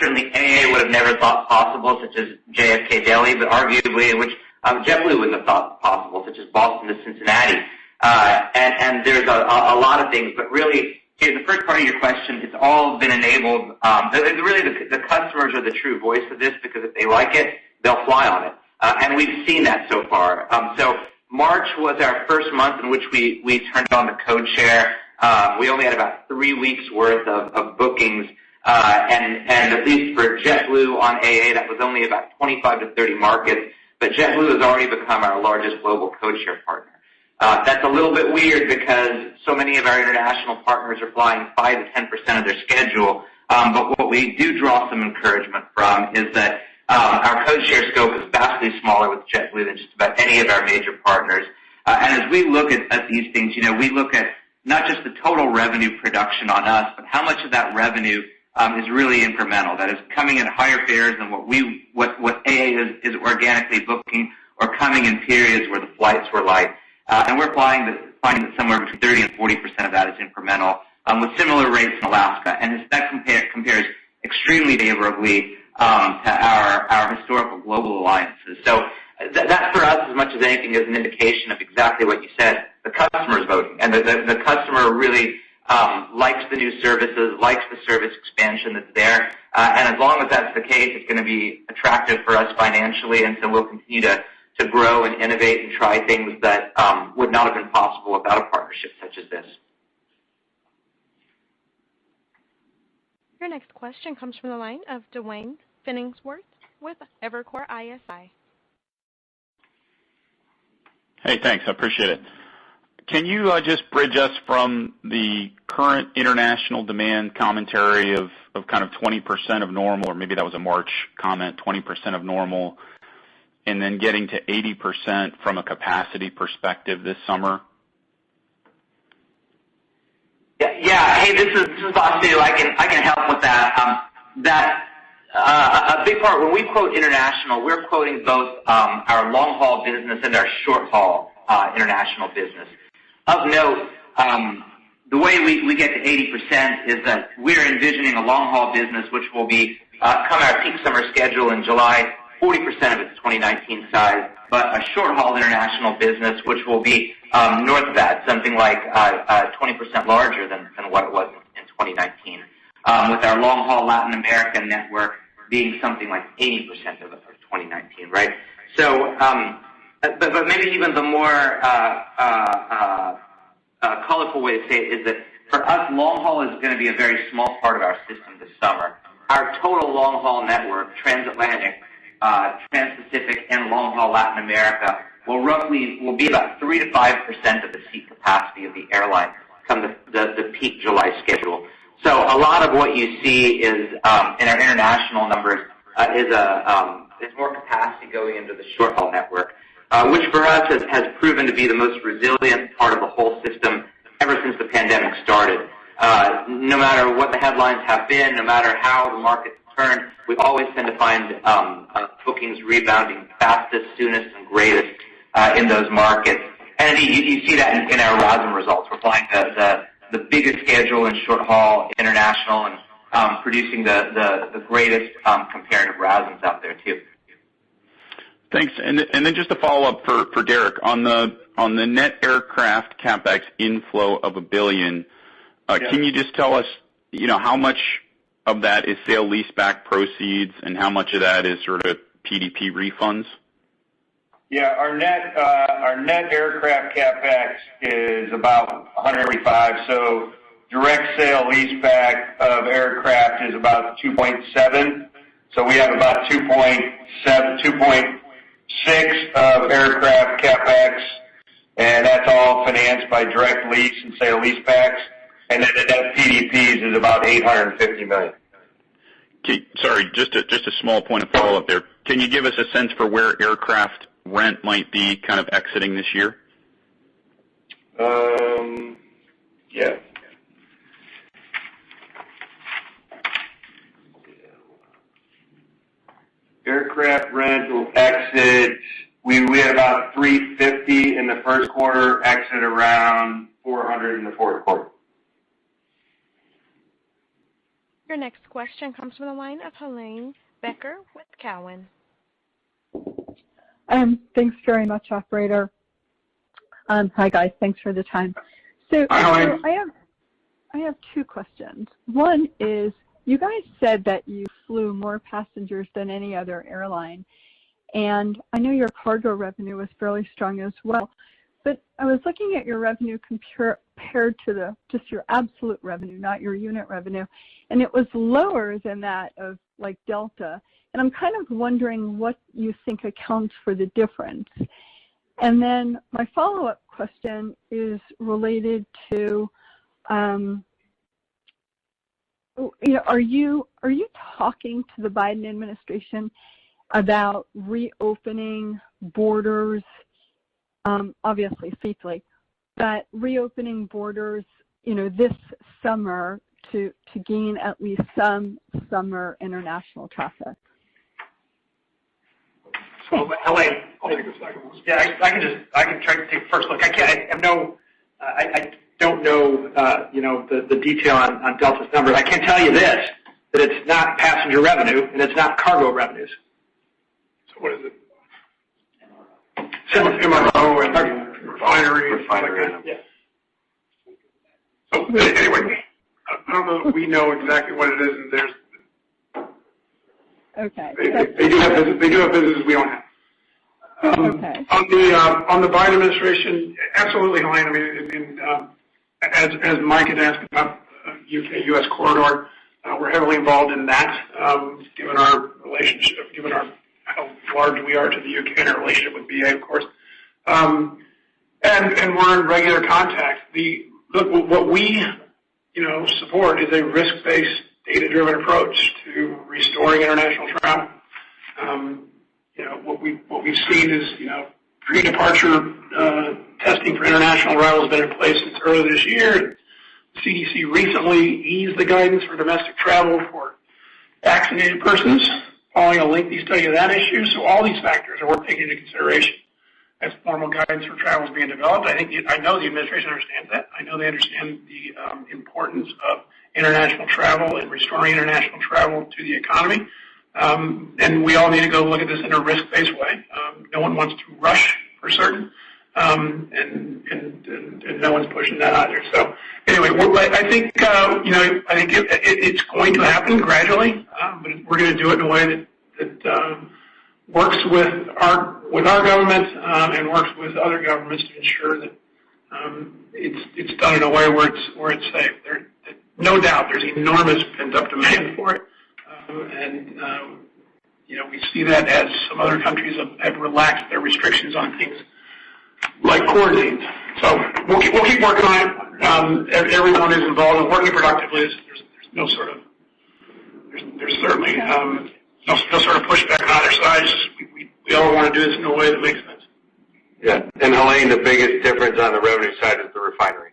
certainly AA would have never thought possible, such as JFK-Delhi, but arguably which JetBlue wouldn't have thought possible, such as Boston to Cincinnati. There is a lot of things, but really, the first part of your question has all been enabled, and really, the customers are the true voice of this, because if they like it, they will fly on it. We have seen that so far. March was our first month in which we turned on the codeshare. We only had about three weeks worth of bookings, and at least for JetBlue on AA, that was only about 25-30 markets. JetBlue has already become our largest global codeshare partner. That's a little bit weird because so many of our international partners are flying 5%-10% of their schedule. What we do draw some encouragement from is that our codeshare scope is vastly smaller with JetBlue than just about any of our major partners. As we look at these things, we look at not just the total revenue production on us, but how much of that revenue is really incremental, that is coming at higher fares than what AA is organically booking or coming in periods where the flights were light. We're finding that somewhere between 30% and 40% of that is incremental, with similar rates in Alaska, and that compares extremely favorably to our historical global alliances. That for us, as much as anything, is an indication of exactly what you said, the customer is voting, and the customer really likes the new services, likes the service expansion that's there. As long as that's the case, it's going to be attractive for us financially, and so we'll continue to grow and innovate and try things that would not have been possible without a partnership such as this. Your next question comes from the line of Duane Pfennigwerth with Evercore ISI. Hey, thanks. I appreciate it. Can you just bridge us from the current international demand commentary of kind of 20% of normal, or maybe that was a March comment, 20% of normal, and then getting to 80% from a capacity perspective this summer? Yeah. Hey, this is Vasu. I can help with that. A big part, when we quote international, we're quoting both our long-haul business and our short-haul international business. Of note, the way we get to 80% is that we're envisioning a long-haul business which will be, come our peak summer schedule in July, 40% of its 2019 size, but a short-haul international business which will be north of that, something like 20% larger than what it was in 2019, with our long-haul Latin American network being something like 80% of 2019, right? Maybe even the more colorful way to say it is that for us, long-haul is going to be a very small part of our system this summer. Our total long-haul network, transatlantic, transpacific, and long-haul Latin America, will be about 3%-5% of the seat capacity of the airline come the peak July schedule. A lot of what you see in our international numbers is more capacity going into the short-haul network, which for us has proven to be the most resilient part of the whole system ever since the pandemic started. No matter what the headlines have been, no matter how the markets turn, we always tend to find bookings rebounding fastest, soonest, and greatest in those markets. You see that in our RASM results. We're flying the biggest schedule in short-haul international and producing the greatest comparative RASMs out there, too. Thanks. Just a follow-up for Derek. On the net aircraft CapEx inflow of a billion- Yeah. Can you just tell us how much of that is sale leaseback proceeds and how much of that is sort of PDP refunds? Our net aircraft CapEx is about $185. Direct sale leaseback of aircraft is about $2.7. We have about $2.6 of aircraft CapEx, and that's all financed by direct lease and sale leasebacks. The net PDPs is about $850 million. Okay. Sorry, just a small point of follow-up there. Can you give us a sense for where aircraft rent might be kind of exiting this year? Yes. Aircraft rental exits, we had about 350 in the first quarter, exit around 400 in the fourth quarter. Your next question comes from the line of Helane Becker with Cowen. Thanks very much, operator. Hi, guys. Thanks for the time. Hi, Helane. I have two questions. One is, you guys said that you flew more passengers than any other airline, and I know your cargo revenue was fairly strong as well, but I was looking at your revenue compared to just your absolute revenue, not your unit revenue, and it was lower than that of Delta. I'm kind of wondering what you think accounts for the difference? Then my follow-up question is related to, are you talking to the Biden administration about reopening borders, obviously safely, but reopening borders this summer to gain at least some summer international traffic? Helane, I'll take the second one. Yeah, I can try to take first look. I don't know the detail on Delta's numbers. I can tell you this, that it's not passenger revenue, and it's not cargo revenues. What is it? MRO. MRO and refinery. Refinery. Yes. Anyway, I don't know that we know exactly what it is, and there's. Okay. They do have businesses we don't have. Okay. On the Biden administration, absolutely, Helane. As Mike had asked about U.K.-U.S. corridor, we're heavily involved in that, given our relationship, given how large we are to the U.K. and our relationship with BA, of course. We're in regular contact. Look, what we support is a risk-based, data-driven approach to restoring international travel. What we've seen is pre-departure testing for international travel has been in place since early this year. CDC recently eased the guidance for domestic travel for vaccinated persons, following a lengthy study of that issue. All these factors are worth taking into consideration as formal guidance for travel is being developed. I know the administration understands that. I know they understand the importance of international travel and restoring international travel to the economy. We all need to go look at this in a risk-based way. No one wants to rush, for certain, and no one's pushing that either. Anyway, I think it's going to happen gradually, but we're going to do it in a way that works with our government and works with other governments to ensure that it's done in a way where it's safe. No doubt, there's enormous pent-up demand for it. We see that as some other countries have relaxed their restrictions on things like quarantines. We'll keep working on it. Everyone is involved and working productively. There's certainly no sort of pushback on our side. We all want to do this in a way that makes sense. Yeah. Helane, the biggest difference on the revenue side is the RASM,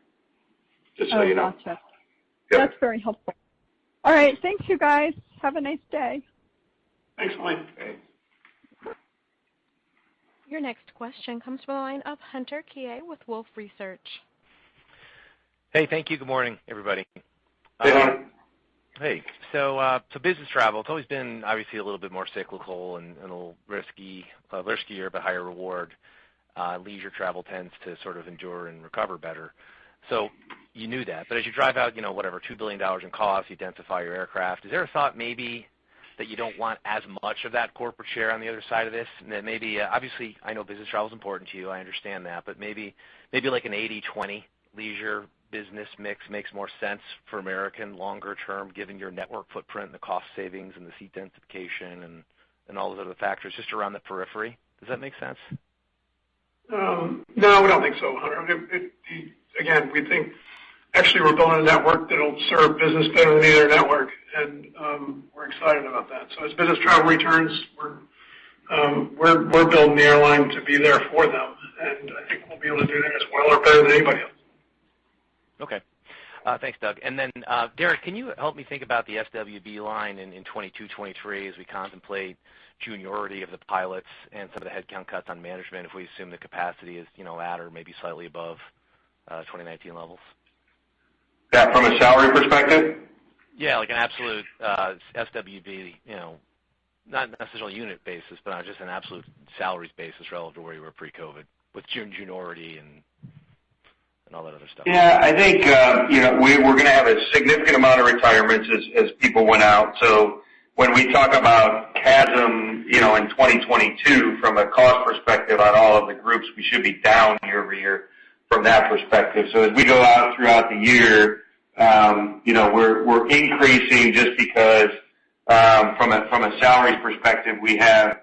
just so you know. Oh, gotcha. Yeah. That's very helpful. All right. Thank you, guys. Have a nice day. Thanks, Helane. Your next question comes from the line of Hunter Keay with Wolfe Research. Hey, thank you. Good morning, everybody. Hey, Hunter. Hey. Business travel, it's always been obviously a little bit more cyclical and a little riskier, but higher reward. Leisure travel tends to sort of endure and recover better. You knew that. As you drive out, whatever, $2 billion in costs, you densify your aircraft, is there a thought maybe that you don't want as much of that corporate share on the other side of this? Then maybe, obviously, I know business travel is important to you. I understand that. Maybe like an 80/20 leisure business mix makes more sense for American longer term, given your network footprint and the cost savings and the seat densification and all those other factors just around the periphery. Does that make sense? No, we don't think so, Hunter. Again, we think actually we're building a network that'll serve business better than any other network, and we're excited about that. As business travel returns, we're building the airline to be there for them, and I think we'll be able to do that as well or better than anybody else. Okay. Thanks, Doug. Derek, can you help me think about the S, W & B line in 2022, 2023 as we contemplate seniority of the pilots and some of the headcount cuts on management, if we assume the capacity is at or maybe slightly above 2019 levels? Yeah, from a salary perspective? Yeah, like an absolute SWB, not necessarily unit basis, but on just an absolute salaries basis relative to where you were pre-COVID with seniority and all that other stuff. I think we're going to have a significant amount of retirements as people went out. When we talk about CASM in 2022 from a cost perspective on all of the groups, we should be down year-over-year from that perspective. As we go out throughout the year, we're increasing just because from a salary perspective, we have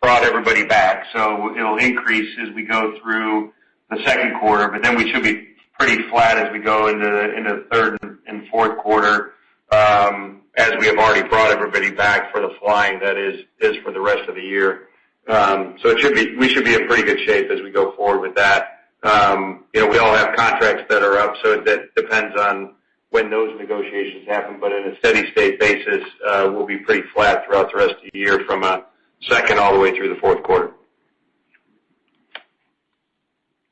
brought everybody back. It'll increase as we go through the second quarter, we should be pretty flat as we go into the third and fourth quarter, as we have already brought everybody back for the flying that is for the rest of the year. We should be in pretty good shape as we go forward with that. We all have contracts that are up. That depends on when those negotiations happen. In a steady state basis, we'll be pretty flat throughout the rest of the year from a second all the way through the fourth quarter.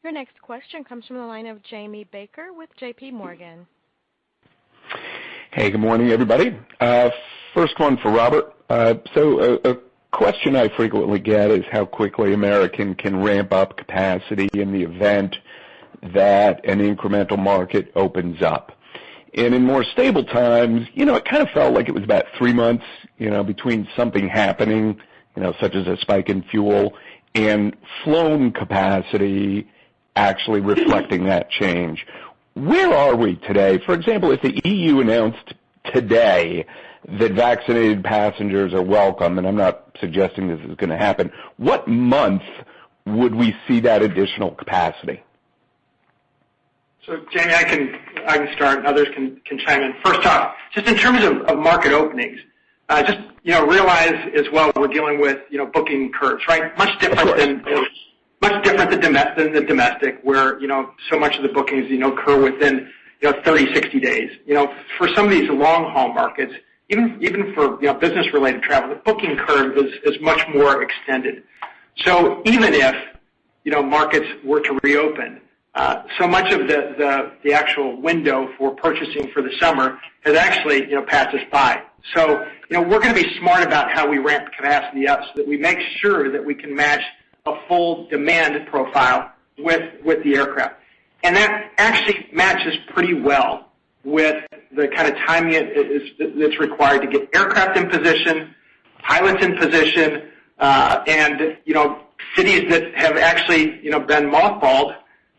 Your next question comes from the line of Jamie Baker with JPMorgan. Hey, good morning, everybody. First one for Robert. A question I frequently get is how quickly American can ramp up capacity in the event that an incremental market opens up. In more stable times, it kind of felt like it was about three months between something happening, such as a spike in fuel, and flown capacity actually reflecting that change. Where are we today? For example, if the EU announced today that vaccinated passengers are welcome, and I'm not suggesting this is going to happen, what month would we see that additional capacity? Jamie, I can start, and others can chime in. First off, just in terms of market openings, just realize as well, we're dealing with booking curves, right? Of course. Much different than the domestic where so much of the bookings occur within 30, 60 days. For some of these long-haul markets, even for business-related travel, the booking curve is much more extended. Even if markets were to reopen, so much of the actual window for purchasing for the summer has actually passed us by. We're going to be smart about how we ramp capacity up so that we make sure that we can match a full demand profile with the aircraft. That actually matches pretty well with the kind of timing that's required to get aircraft in position, pilots in position, and cities that have actually been mothballed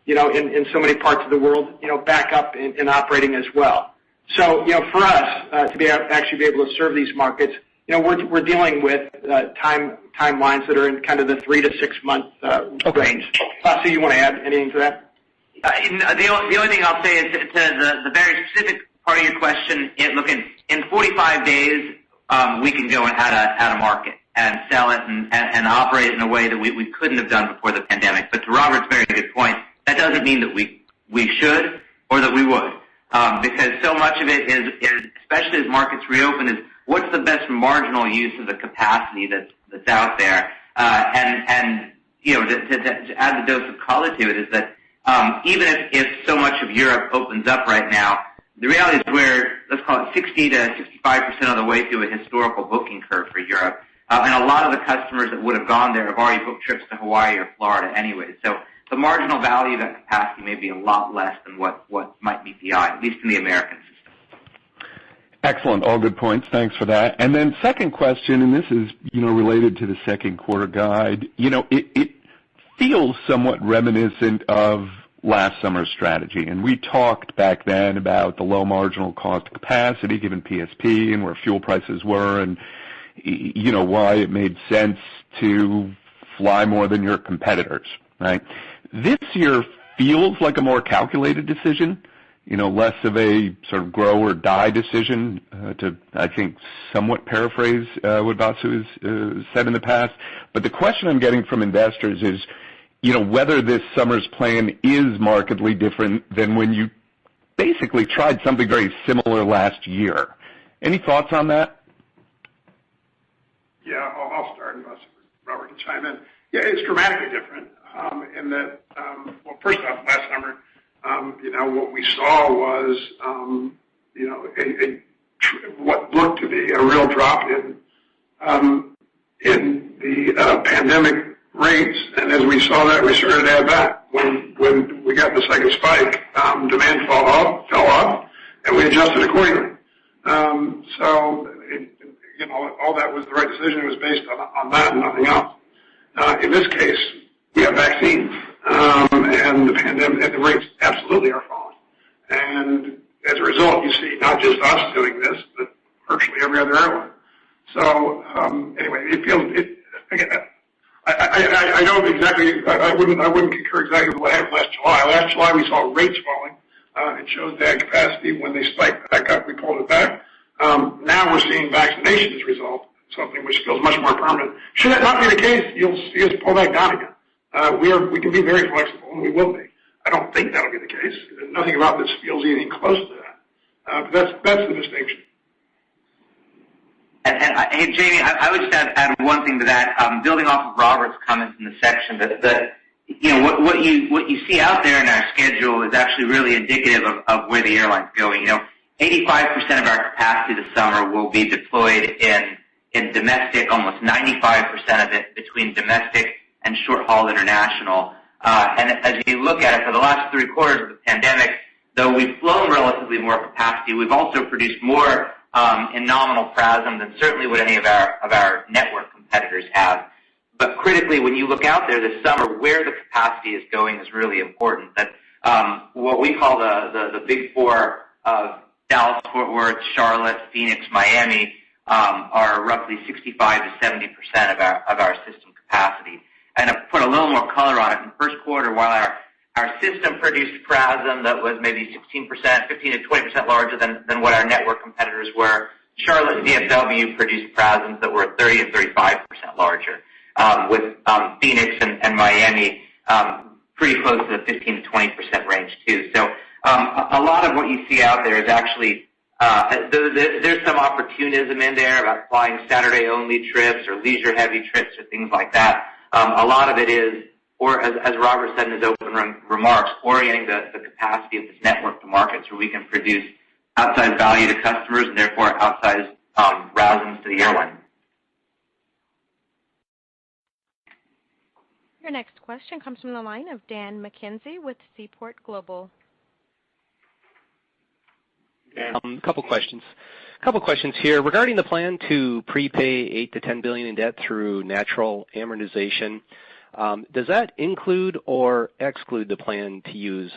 in so many parts of the world back up and operating as well. For us to actually be able to serve these markets, we're dealing with timelines that are in kind of the three to six-month range. Okay. Vasu, you want to add anything to that? The only thing I'll say is to the very specific part of your question, looking, in 45 days, we can go and add a market and sell it and operate in a way that we couldn't have done before the pandemic. To Robert's very good point, that doesn't mean that we should or that we would. So much of it is, especially as markets reopen, is what's the best marginal use of the capacity that's out there? To add the dose of color to it, is that even if so much of Europe opens up right now, the reality is we're, let's call it, 60%-65% of the way through a historical booking curve for Europe. A lot of the customers that would have gone there have already booked trips to Hawaii or Florida anyway. The marginal value of that capacity may be a lot less than what might be behind, at least in the American system. Excellent. All good points. Thanks for that. Second question, this is related to the second quarter guide. It feels somewhat reminiscent of last summer's strategy. We talked back then about the low marginal cost capacity given PSP and where fuel prices were and why it made sense to fly more than your competitors, right? This year feels like a more calculated decision, less of a sort of grow or die decision to, I think, somewhat paraphrase what Vasu has said in the past. The question I'm getting from investors is whether this summer's plan is markedly different than when you basically tried something very similar last year. Any thoughts on that? Yeah. I'll start and Robert can chime in. It's dramatically different in that, well, first off, last summer what we saw was what looked to be a real drop in the pandemic rates. As we saw that, we started to add back. When we got the second spike, demand fell off, we adjusted accordingly. All that was the right decision. It was based on that and nothing else. In this case, we have vaccines, the rates absolutely are falling. As a result, you see not just us doing this, but virtually every other airline. Anyway, I wouldn't concur exactly with what happened last July. Last July, we saw rates falling, showed that capacity when they spiked back up, we pulled it back. Now we're seeing vaccination as a result, something which feels much more permanent. Should that not be the case, you'll see us pull back down again. We can be very flexible, and we will be. I don't think that'll be the case. Nothing about this feels anything close to that. That's the distinction. Jamie, I would just add one thing to that, building off of Robert's comments in the section that what you see out there in our schedule is actually really indicative of where the airline's going. 85% of our capacity this summer will be deployed in domestic, almost 95% of it between domestic and short-haul international. As you look at it for the last three quarters of the pandemic, though we've flown relatively more capacity, we've also produced more in nominal PRASM than certainly what any of our network competitors have. Critically, when you look out there this summer, where the capacity is going is really important. That what we call the big four of Dallas, Fort Worth, Charlotte, Phoenix, Miami are roughly 65%-70% of our system capacity. To put a little more color on it, in the first quarter, while our system produced PRASM that was maybe 15%-20% larger than what our network competitors were. Charlotte DFW produced PRASMs that were 30%-35% larger, with Phoenix and Miami pretty close to the 15%-20% range, too. A lot of what you see out there is actually, there's some opportunism in there about flying Saturday-only trips or leisure-heavy trips or things like that. A lot of it is, or as Robert said in his opening remarks, orienting the capacity of this network to market so we can produce outsized value to customers and therefore outsized RASMs to the airline. Your next question comes from the line of Dan McKenzie with Seaport Global. Dan, couple questions. Couple questions here. Regarding the plan to prepay $8 billion-$10 billion in debt through natural amortization, does that include or exclude the plan to use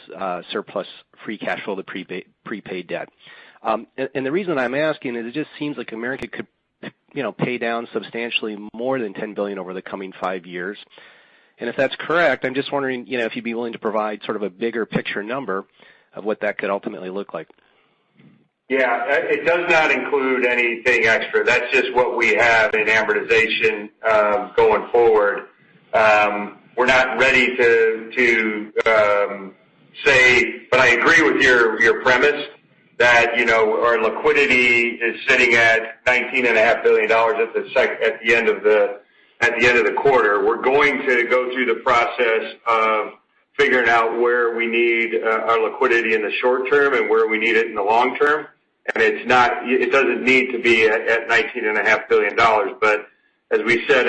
surplus free cash flow to prepay debt? The reason I'm asking is it just seems like American could pay down substantially more than $10 billion over the coming five years. If that's correct, I'm just wondering if you'd be willing to provide sort of a bigger picture number of what that could ultimately look like. Yeah. It does not include anything extra. That's just what we have in amortization going forward. We're not ready to say, I agree with your premise that our liquidity is sitting at $19.5 billion at the end of the quarter. We're going to go through the process of figuring out where we need our liquidity in the short term and where we need it in the long term, it doesn't need to be at $19.5 billion. As we said,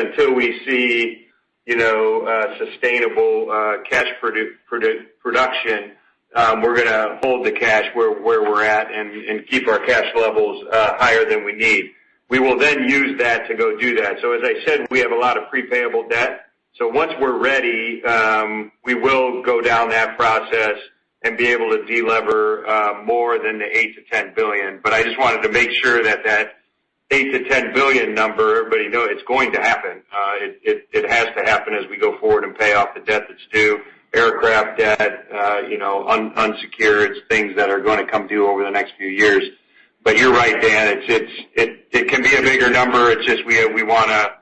until we see sustainable cash production, we're going to hold the cash where we're at and keep our cash levels higher than we need. We will use that to go do that. As I said, we have a lot of pre-payable debt. Once we're ready, we will go down that process and be able to de-lever more than the $8 billion-$10 billion. I just wanted to make sure that that $8 billion-$10 billion number, everybody know it's going to happen. It has to happen as we go forward and pay off the debt that's due. Aircraft debt, unsecured, it's things that are going to come due over the next few years. You're right, Dan, it can be a bigger number. It's just we want to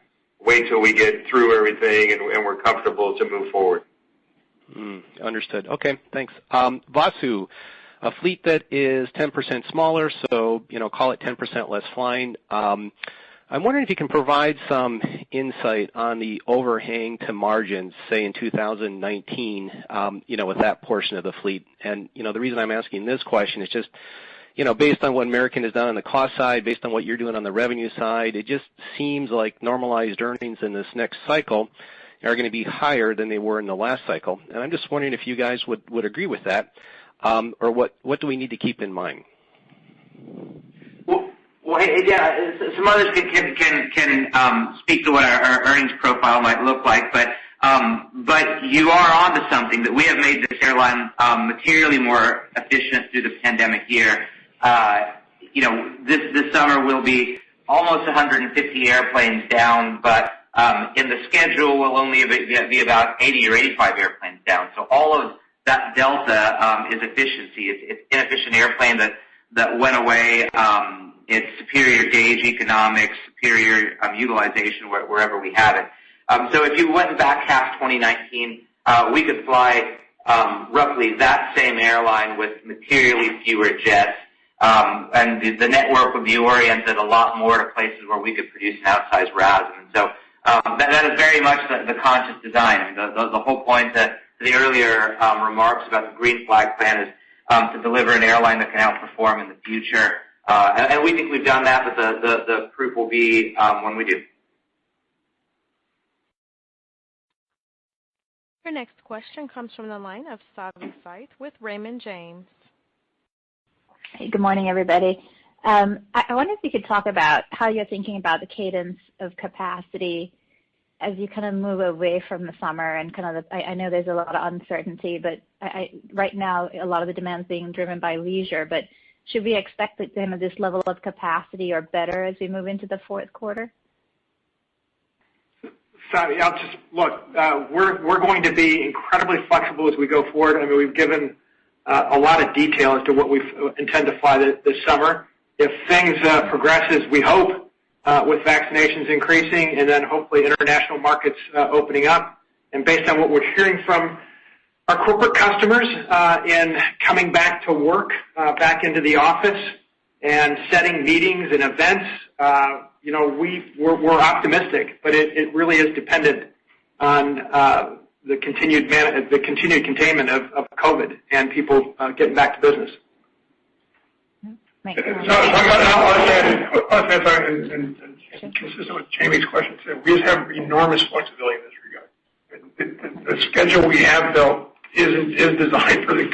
wait till we get through everything and we're comfortable to move forward. Understood. Okay, thanks. Vasu, a fleet that is 10% smaller, so call it 10% less flying. I'm wondering if you can provide some insight on the overhang to margins, say in 2019, with that portion of the fleet. The reason I'm asking this question is just based on what American has done on the cost side, based on what you're doing on the revenue side, it just seems like normalized earnings in this next cycle are going to be higher than they were in the last cycle, and I'm just wondering if you guys would agree with that. What do we need to keep in mind? Well, yeah, some others can speak to what our earnings profile might look like, but you are onto something that we have made this airline materially more efficient through the pandemic year. This summer we'll be almost 150 airplanes down, but in the schedule, we'll only be about 80 or 85 airplanes down. All of that delta is efficiency. It's inefficient airplane that went away. It's superior gauge economics, superior utilization wherever we had it. If you went back half 2019, we could fly roughly that same airline with materially fewer jets, and the network would be oriented a lot more to places where we could produce an outsized RASM. That is very much the conscious design. I mean, the whole point that the earlier remarks about the Green Flag Plan is to deliver an airline that can outperform in the future. We think we've done that, but the proof will be when we do. Your next question comes from the line of Savi Syth with Raymond James. Hey, good morning, everybody. I wonder if you could talk about how you're thinking about the cadence of capacity as you kind of move away from the summer. I know there's a lot of uncertainty, but right now, a lot of the demand's being driven by leisure. Should we expect this level of capacity or better as we move into the fourth quarter? Savi, look, we're going to be incredibly flexible as we go forward. I mean, we've given a lot of detail as to what we intend to fly this summer. If things progress as we hope, with vaccinations increasing and then hopefully international markets opening up, and based on what we're hearing from our corporate customers in coming back to work, back into the office and setting meetings and events, we're optimistic, but it really is dependent on the continued containment of COVID and people getting back to business. Make sense. Sure. I'll add and consistent with Jamie's question too, we just have enormous flexibility in this regard. The schedule we have built is designed for the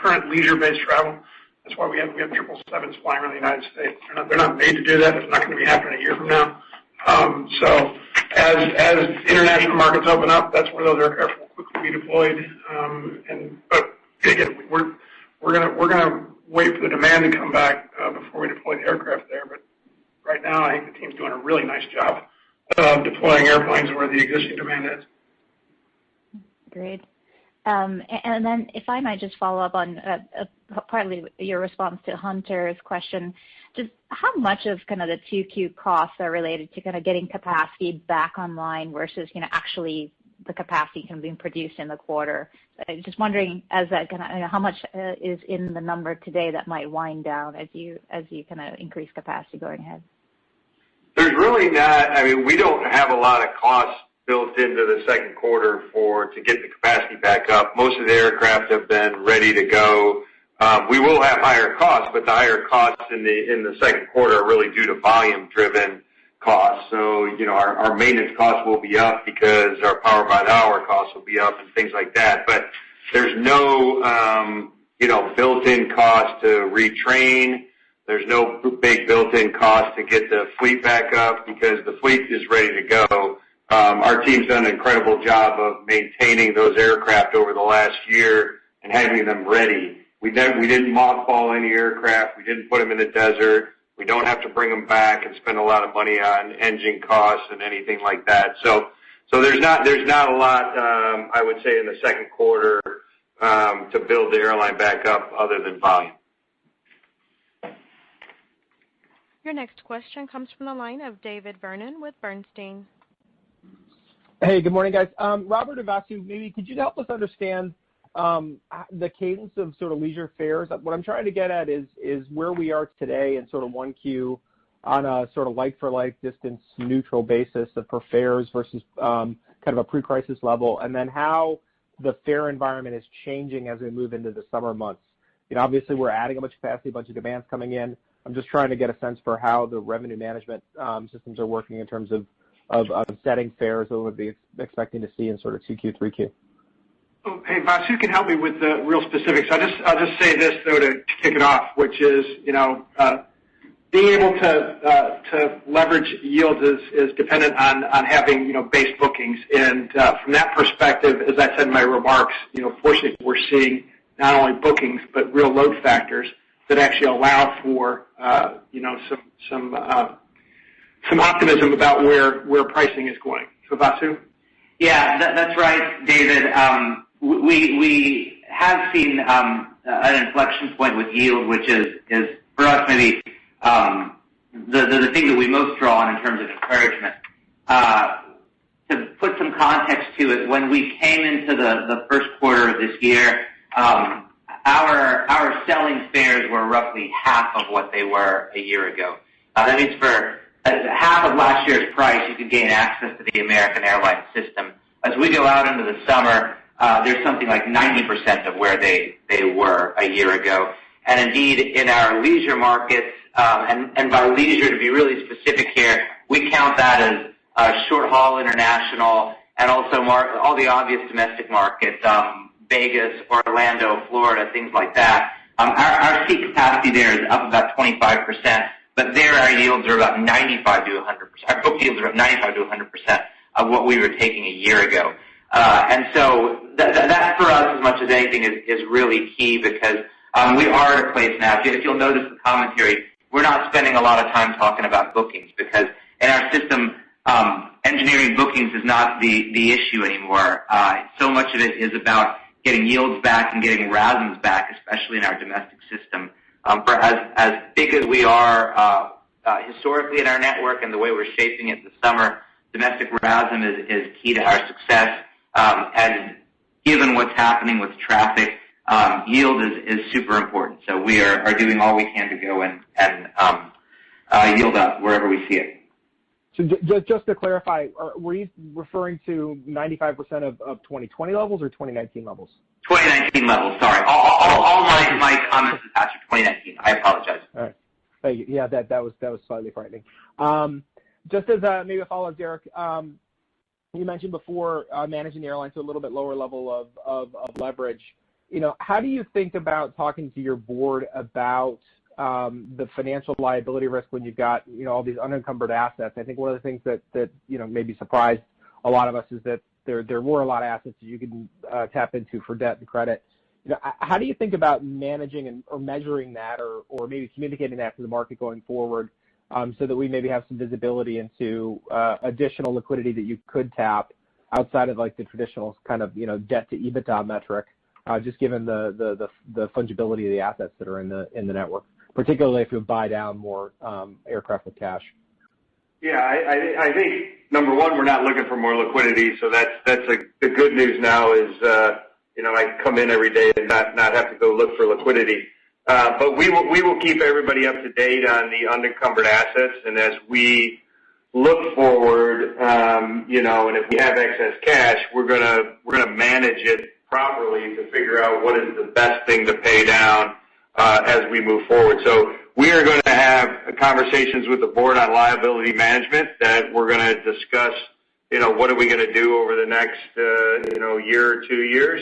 current leisure-based travel. That's why we have 777s flying around the U.S. They're not made to do that, and it's not going to be happening a year from now. As international markets open up, that's where those aircraft will quickly be deployed. Again, we're going to wait for the demand to come back before we deploy the aircraft there. Right now, I think the team's doing a really nice job of deploying airplanes where the existing demand is. Great. If I might just follow up on partly your response to Hunter's question, just how much of the 2Q costs are related to getting capacity back online versus actually the capacity being produced in the quarter? Just wondering how much is in the number today that might wind down as you increase capacity going ahead. We don't have a lot of costs built into the second quarter to get the capacity back up. Most of the aircraft have been ready to go. We will have higher costs. The higher costs in the second quarter are really due to volume-driven costs. Our maintenance costs will be up because our power by the hour costs will be up and things like that. There's no built-in cost to retrain. There's no big built-in cost to get the fleet back up because the fleet is ready to go. Our team's done an incredible job of maintaining those aircraft over the last year and having them ready. We didn't mothball any aircraft. We didn't put them in the desert. We don't have to bring them back and spend a lot of money on engine costs and anything like that. There's not a lot, I would say, in the second quarter to build the airline back up other than volume. Your next question comes from the line of David Vernon with Bernstein. Hey, good morning, guys. Robert or Vasu, maybe could you help us understand the cadence of leisure fares? What I'm trying to get at is where we are today in sort of 1Q on a like for like distance neutral basis for fares versus a pre-crisis level, and then how the fare environment is changing as we move into the summer months. Obviously, we're adding a bunch of capacity, a bunch of demands coming in. I'm just trying to get a sense for how the revenue management systems are working in terms of setting fares, what would be expecting to see in sort of 2Q, 3Q. Hey, Vasu can help me with the real specifics. I'll just say this, though, to kick it off, which is, being able to leverage yields is dependent on having base bookings. From that perspective, as I said in my remarks, fortunately, we're seeing not only bookings, but real load factors that actually allow for some optimism about where pricing is going. Vasu? Yeah, that's right, David. We have seen an inflection point with yield, which is for us, maybe the thing that we most draw on in terms of encouragement. To put some context to it, when we came into the first quarter of this year, our selling fares were roughly half of what they were a year ago. That means for half of last year's price, you could gain access to the American Airlines system. As we go out into the summer, they're something like 90% of where they were a year ago. Indeed, in our leisure markets, and by leisure, to be really specific here, we count that as short-haul international and also all the obvious domestic markets, Vegas, Orlando, Florida, things like that. Our seat capacity there is up about 25%. Our book deals are up 95%-100% of what we were taking a year ago. That for us, as much as anything, is really key because we are at a place now, if you'll notice the commentary, we're not spending a lot of time talking about bookings because in our system, engineering bookings is not the issue anymore. Much of it is about getting yields back and getting RASMs back, especially in our domestic system. For as big as we are historically in our network and the way we're shaping it this summer, domestic RASM is key to our success. Given what's happening with traffic, yield is super important. We are doing all we can to go and yield up wherever we see it. Just to clarify, were you referring to 95% of 2020 levels or 2019 levels? 2019 levels. Sorry. All my comments are Patrick 2019. I apologize. All right. Thank you. Yeah, that was slightly frightening. Just as maybe a follow-up, Derek, you mentioned before managing the airline to a little bit lower level of leverage. How do you think about talking to your board about the financial liability risk when you've got all these unencumbered assets? I think one of the things that maybe surprised a lot of us is that there were a lot of assets that you can tap into for debt and credit. How do you think about managing or measuring that or maybe communicating that to the market going forward so that we maybe have some visibility into additional liquidity that you could tap outside of the traditional debt to EBITDA metric, just given the fungibility of the assets that are in the network, particularly if you buy down more aircraft with cash? I think, number one, we're not looking for more liquidity, that's the good news now is I come in every day and not have to go look for liquidity. We will keep everybody up to date on the unencumbered assets, and as we look forward, and if we have excess cash, we're going to manage it properly to figure out what is the best thing to pay down as we move forward. We are going to have conversations with the board on liability management that we're going to discuss what are we going to do over the next year or two years,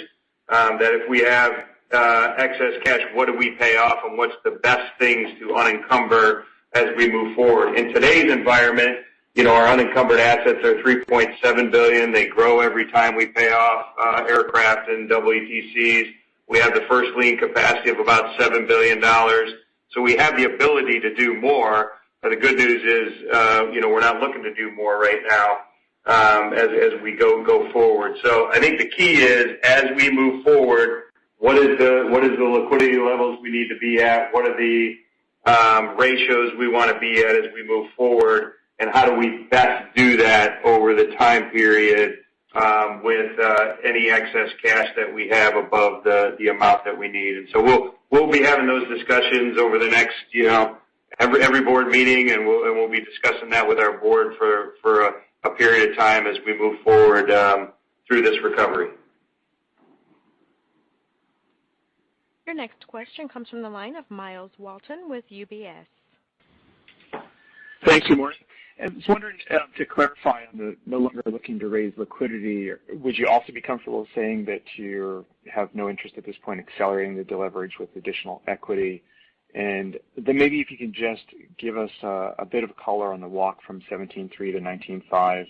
that if we have excess cash, what do we pay off and what's the best things to unencumber as we move forward. In today's environment, our unencumbered assets are $3.7 billion. They grow every time we pay off aircraft and WTCs. We have the first lien capacity of about $7 billion. We have the ability to do more. The good news is we're not looking to do more right now as we go forward. I think the key is, as we move forward, what is the liquidity levels we need to be at? What are the ratios we want to be at as we move forward? How do we best do that over the time period with any excess cash that we have above the amount that we need? We'll be having those discussions over every board meeting, and we'll be discussing that with our board for a period of time as we move forward through this recovery. Your next question comes from the line of Myles Walton with UBS. Thank you, Maureen. I was wondering to clarify on the no longer looking to raise liquidity, would you also be comfortable saying that you have no interest at this point accelerating the deleverage with additional equity? Then maybe if you can just give us a bit of color on the walk from 17.3-19.5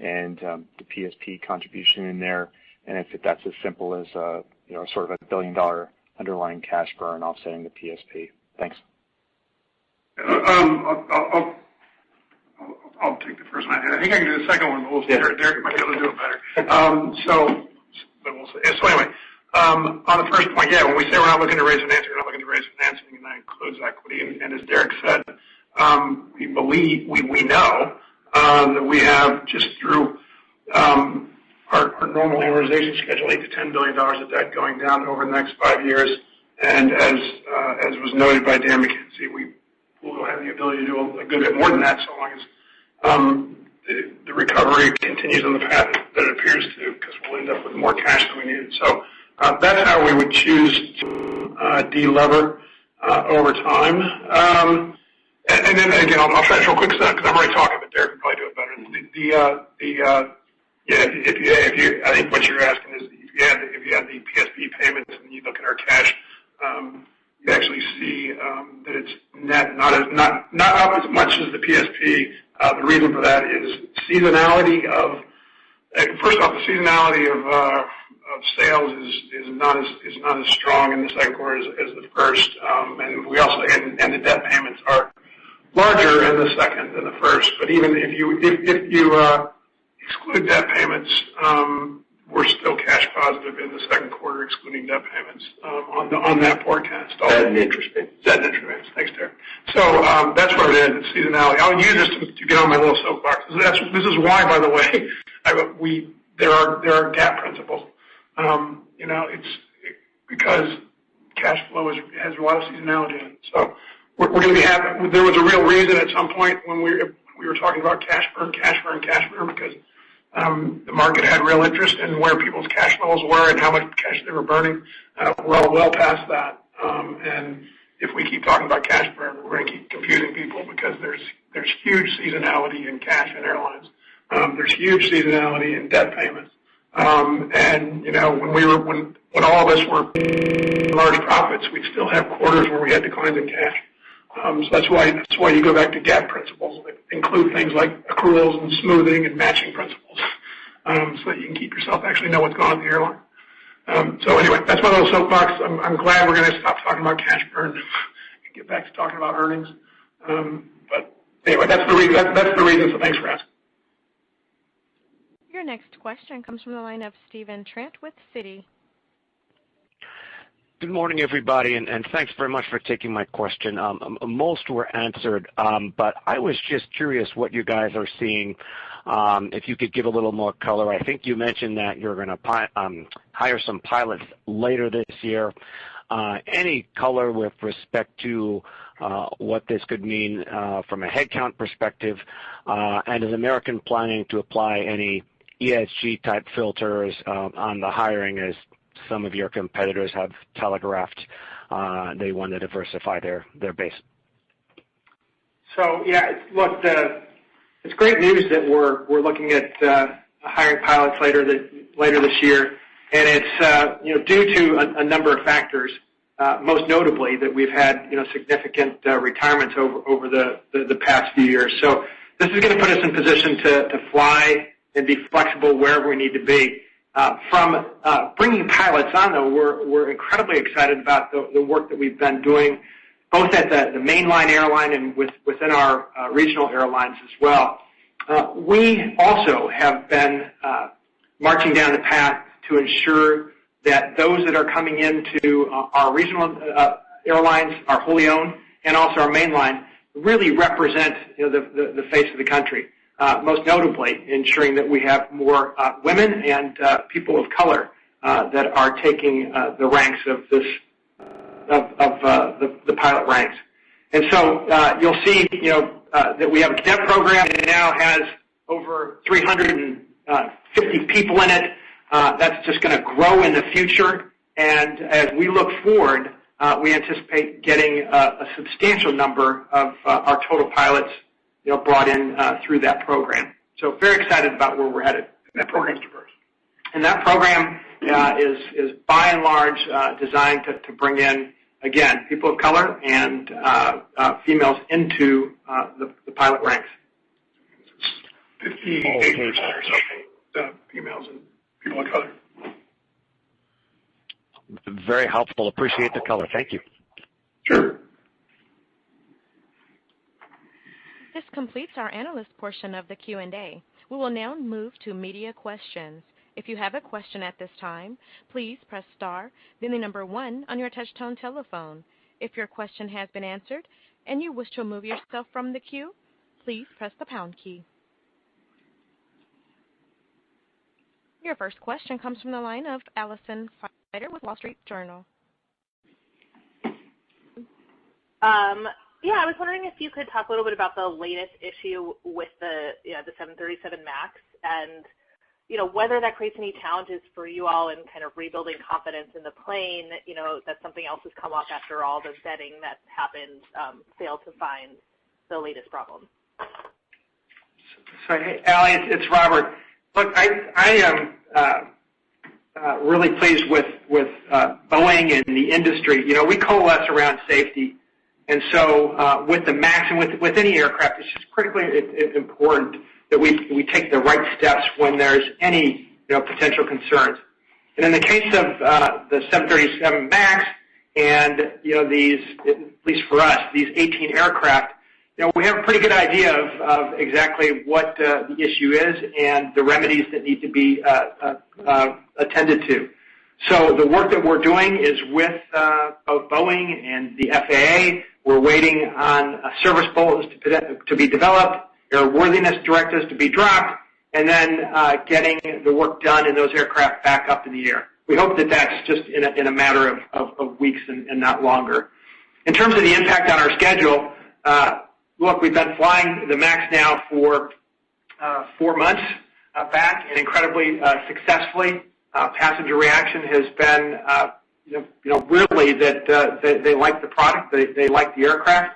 and the PSP contribution in there, and if that's as simple as sort of a billion-dollar underlying cash burn offsetting the PSP. Thanks. I'll take the first one. I think I can do the second one, but we'll see. Derek might be able to do it better. Anyway, on the first point, yeah, when we say we're not looking to raise financing, we're not looking to raise financing, and that includes equity. As Derek said, we know that we have, just through our normal amortization schedule, $8 billion-$10 billion of debt going down over the next five years. As was noted by Dan McKenzie, we will have the ability to do a good bit more than that, so long as the recovery continues on the path that it appears to, because we'll end up with more cash than we need. That's how we would choose to de-lever over time. Again, I'll finish real quick because I'm already talking, but Derek can probably do it better. I think what you're asking is if you have the PSP payments and you look at our cash, you actually see that it's not as much as the PSP. The reason for that is first off, the seasonality of sales is not as strong in the second quarter as the first, and the debt payments are larger in the second than the first. Even if you exclude debt payments, we're still cash positive in the second quarter, excluding debt payments on that forecast. Debt and interest payments. Debt and interest payments. Thanks, Derek. That's where it is. Seasonality. I want to use this to get on my little soapbox. This is why, by the way, there are GAAP principles. It's because cash flow has a lot of seasonality in it. There was a real reason at some point when we were talking about cash burn, because the market had real interest in where people's cash flows were and how much cash they were burning. We're all well past that, and if we keep talking about cash burn, we're going to keep confusing people because there's huge seasonality in cash in airlines. There's huge seasonality in debt payments. When all of us were making large profits, we'd still have quarters where we had declines in cash. That's why you go back to GAAP principles that include things like accruals and smoothing and matching principles, so that you can keep yourself actually know what's going on with the airline. Anyway, that's my little soapbox. I'm glad we're going to stop talking about cash burn and get back to talking about earnings. Anyway, that's the reason, thanks for asking. Your next question comes from the line of Stephen Trent with Citi. Good morning, everybody. Thanks very much for taking my question. Most were answered. I was just curious what you guys are seeing, if you could give a little more color. I think you mentioned that you're going to hire some pilots later this year. Any color with respect to what this could mean from a headcount perspective? Is American planning to apply any ESG-type filters on the hiring, as some of your competitors have telegraphed they want to diversify their base? Yeah, look, it's great news that we're looking at hiring pilots later this year. It's due to a number of factors, most notably that we've had significant retirements over the past few years. This is going to put us in position to fly and be flexible wherever we need to be. From bringing pilots on, though, we're incredibly excited about the work that we've been doing, both at the mainline airline and within our regional airlines as well. We also have been marching down the path to ensure that those that are coming into our regional airlines, our wholly owned, and also our mainline, really represent the face of the country. Most notably ensuring that we have more women and people of color that are taking the ranks of the pilot ranks. You'll see that we have a cadet program that now has over 350 people in it. That's just going to grow in the future. As we look forward, we anticipate getting a substantial number of our total pilots brought in through that program. Very excited about where we're headed. That program is diverse. That program is by and large designed to bring in, again, people of color and females into the pilot ranks. or something. Females and people of color. Very helpful. Appreciate the color. Thank you. Sure. This completes our analyst portion of the Q&A. We will now move to media questions. If you have a question at this time, please press star then the number one on your touchtone telephone. If your question has been answered and you wish to remove yourself from the queue, please press the pound key. Your first question comes from the line of Alison with The Wall Street Journal. Yeah, I was wondering if you could talk a little bit about the latest issue with the Boeing 737 MAX and whether that creates any challenges for you all in kind of rebuilding confidence in the plane, that something else has come up after all the vetting that's happened, failed to find the latest problem? Hey, Ally, it's Robert. Look, I am really pleased with Boeing and the industry. We coalesce around safety. With the MAX and with any aircraft, it's just critically important that we take the right steps when there's any potential concerns. In the case of the 737 MAX, and these, at least for us, these 18 aircraft, we have a pretty good idea of exactly what the issue is and the remedies that need to be attended to. The work that we're doing is with both Boeing and the FAA. We're waiting on service bulletins to be developed, airworthiness directives to be dropped, and then getting the work done and those aircraft back up in the air. We hope that that's just in a matter of weeks and not longer. In terms of the impact on our schedule, look, we've been flying the MAX now for four months back and incredibly successfully. Passenger reaction has been really that they like the product, they like the aircraft.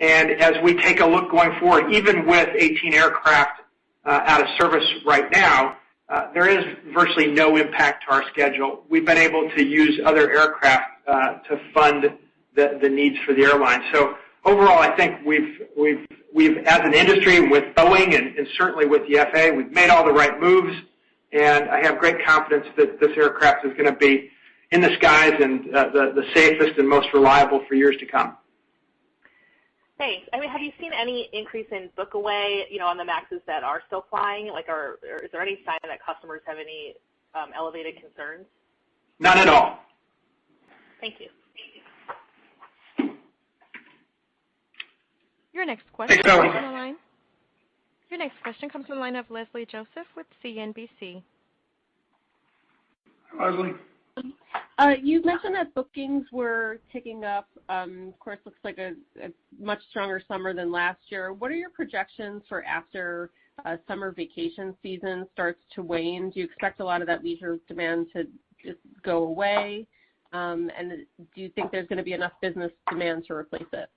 As we take a look going forward, even with 18 aircraft out of service right now, there is virtually no impact to our schedule. We've been able to use other aircraft to fund the needs for the airline. Overall, I think we've, as an industry with Boeing and certainly with the FAA, we've made all the right moves, and I have great confidence that this aircraft is going to be in the skies and the safest and most reliable for years to come. Thanks. Have you seen any increase in book away on the MAXs that are still flying? Is there any sign that customers have any elevated concerns? None at all. Thank you. Your next question. Thanks, Alison. Your next question comes from the line of Leslie Josephs with CNBC. Hi, Leslie. You mentioned that bookings were ticking up. Of course, looks like a much stronger summer than last year. What are your projections for after summer vacation season starts to wane? Do you expect a lot of that leisure demand to just go away? Do you think there's going to be enough business demand to replace it?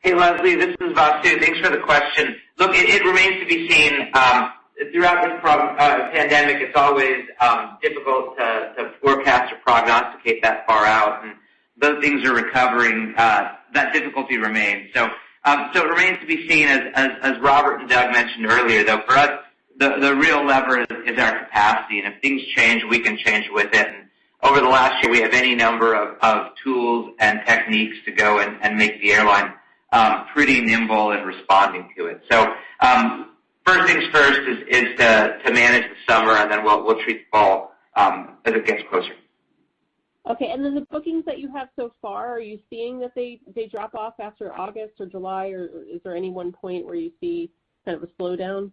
Hey, Leslie, this is Vasu. Thanks for the question. Look, it remains to be seen. Throughout this pandemic, it's always difficult to forecast or prognosticate that far out, and those things are recovering, that difficulty remains. It remains to be seen, as Robert and Doug mentioned earlier, though, for us, the real lever is our capacity, and if things change, we can change with it. Over the last year, we have any number of tools and techniques to go and make the airline pretty nimble in responding to it. First things first is to manage the summer, and then we'll treat fall as it gets closer. Okay, the bookings that you have so far, are you seeing that they drop off after August or July, or is there any one point where you see kind of a slowdown?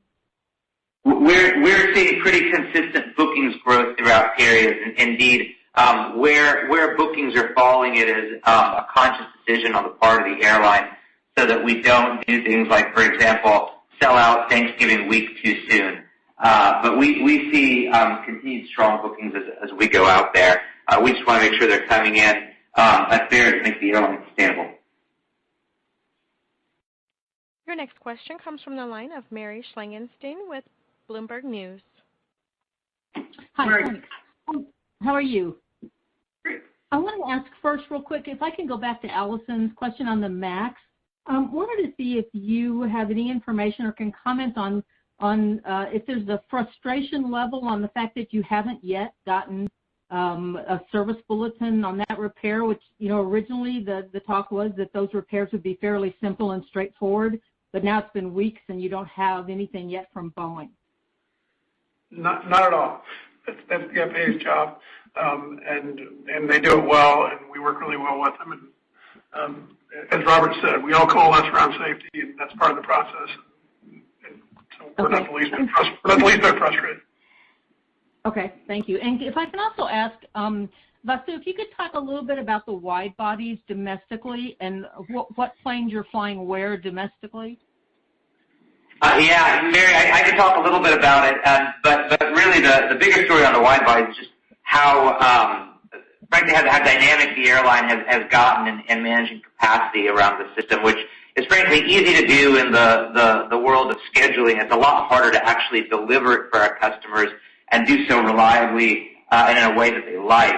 We're seeing pretty consistent bookings growth throughout areas. Indeed, where bookings are falling, it is a conscious decision on the part of the airline so that we don't do things like, for example, sell out Thanksgiving week too soon. We see continued strong bookings as we go out there. We just want to make sure they're coming in at fares that make the airline stable. Your next question comes from the line of Mary Schlangenstein with Bloomberg News. Mary. Hi. How are you? Great. I want to ask first real quick, if I can go back to Alison's question on the MAX. I wanted to see if you have any information or can comment on if there's a frustration level on the fact that you haven't yet gotten a service bulletin on that repair, which originally the talk was that those repairs would be fairly simple and straightforward, but now it's been weeks, and you don't have anything yet from Boeing. Not at all. That's the FAA's job, and they do it well, and we work really well with them. As Robert said, we all coalesce around safety, and that's part of the process. Okay. We're not the least bit frustrated. Okay. Thank you. If I can also ask, Vasu, if you could talk a little bit about the wide-bodies domestically and what planes you're flying where domestically. Yeah, Mary, I can talk a little bit about it, but really the bigger story on the wide-body is just how, frankly, how dynamic the airline has gotten in managing capacity around the system, which is frankly easy to do in the world of scheduling. It's a lot harder to actually deliver it for our customers and do so reliably and in a way that they like.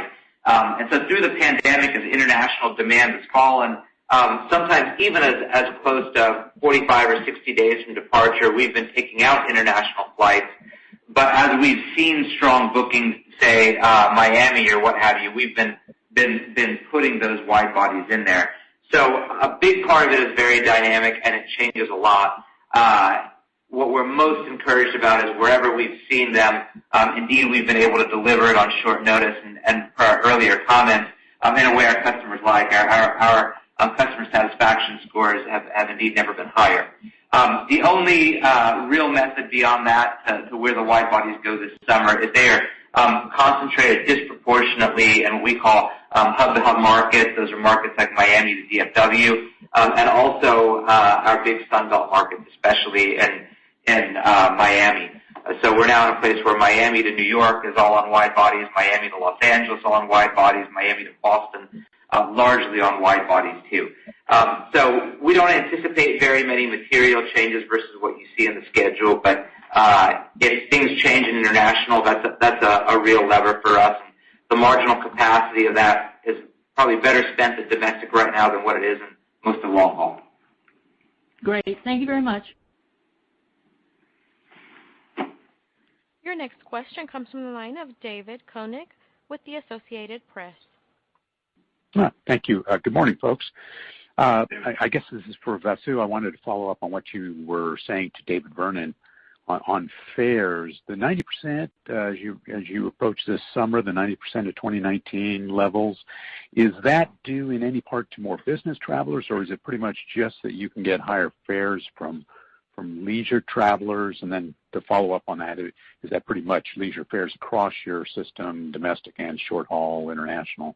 Through the pandemic, as international demand has fallen, sometimes even as close to 45 or 60 days from departure, we've been taking out international flights. As we've seen strong bookings, say, Miami or what have you, we've been putting those wide-bodies in there. A big part of it is very dynamic, and it changes a lot. What we're most encouraged about is wherever we've seen them, indeed, we've been able to deliver it on short notice and per our earlier comments, in a way our customers like. Our customer satisfaction scores have indeed never been higher. The only real method beyond that as to where the wide-bodies go this summer is they are concentrated disproportionately in what we call hub-to-hub markets. Those are markets like Miami to DFW, and also our big Sun Belt markets, especially in Miami. We're now in a place where Miami to New York is all on wide-bodies, Miami to Los Angeles, all on wide-bodies, Miami to Boston, largely on wide-bodies, too. We don't anticipate very many material changes versus what you see in the schedule. If things change in international, that's a real lever for us. The marginal capacity of that is probably better spent at domestic right now than what it is in most of long-haul. Great. Thank you very much. Your next question comes from the line of David Koenig with The Associated Press. Thank you. Good morning, folks. I guess this is for Vasu. I wanted to follow up on what you were saying to David Vernon on fares. The 90% as you approach this summer, the 90% of 2019 levels, is that due in any part to more business travelers, or is it pretty much just that you can get higher fares from leisure travelers? To follow up on that, is that pretty much leisure fares across your system, domestic and short-haul international?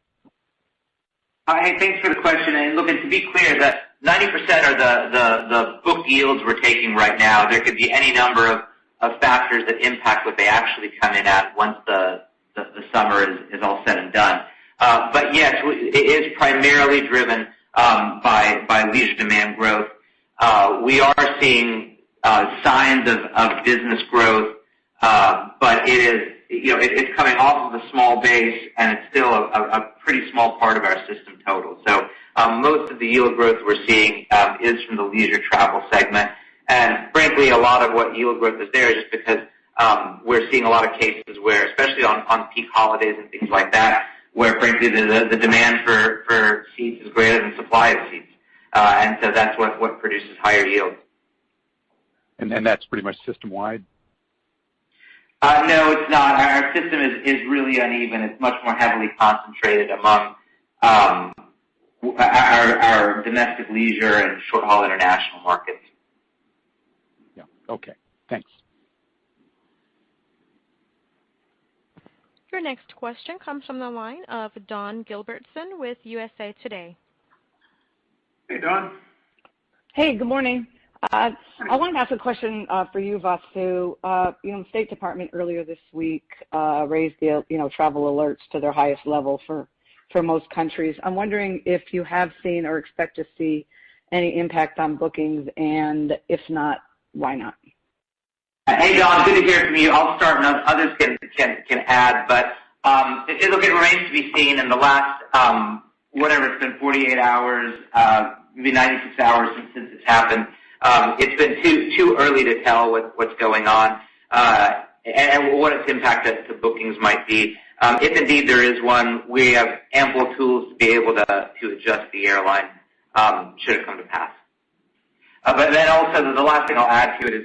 Thanks for the question. Look, and to be clear that 90% are the book yields we're taking right now. There could be any number of factors that impact what they actually come in at once the summer is all said and done. Yes, it is primarily driven by leisure demand growth. We are seeing signs of business growth, but it's coming off of a small base, and it's still a pretty small part of our system total. Most of the yield growth we're seeing is from the leisure travel segment. Frankly, a lot of what yield growth is there is just because we're seeing a lot of cases where, especially on peak holidays and things like that, where frankly, the demand for seats is greater than supply of seats. That's what produces higher yield. That's pretty much system-wide? No, it's not. Our system is really uneven. It's much more heavily concentrated among our domestic leisure and short-haul international markets. Yeah. Okay. Thanks. Your next question comes from the line of Dawn Gilbertson with USA Today. Hey, Dawn. Hey, good morning. Hi. I wanted to ask a question for you, Vasu. The State Department earlier this week raised the travel alerts to their highest level for most countries. I'm wondering if you have seen or expect to see any impact on bookings, and if not, why not? Hey, Dawn. Good to hear from you. I'll start, and others can add, but it remains to be seen in the last, whatever it's been, 48 hours, maybe 96 hours since this happened. It's been too early to tell what's going on, and what its impact to bookings might be. If indeed there is one, we have ample tools to be able to adjust the airline should it come to pass. Also, the last thing I'll add to it is,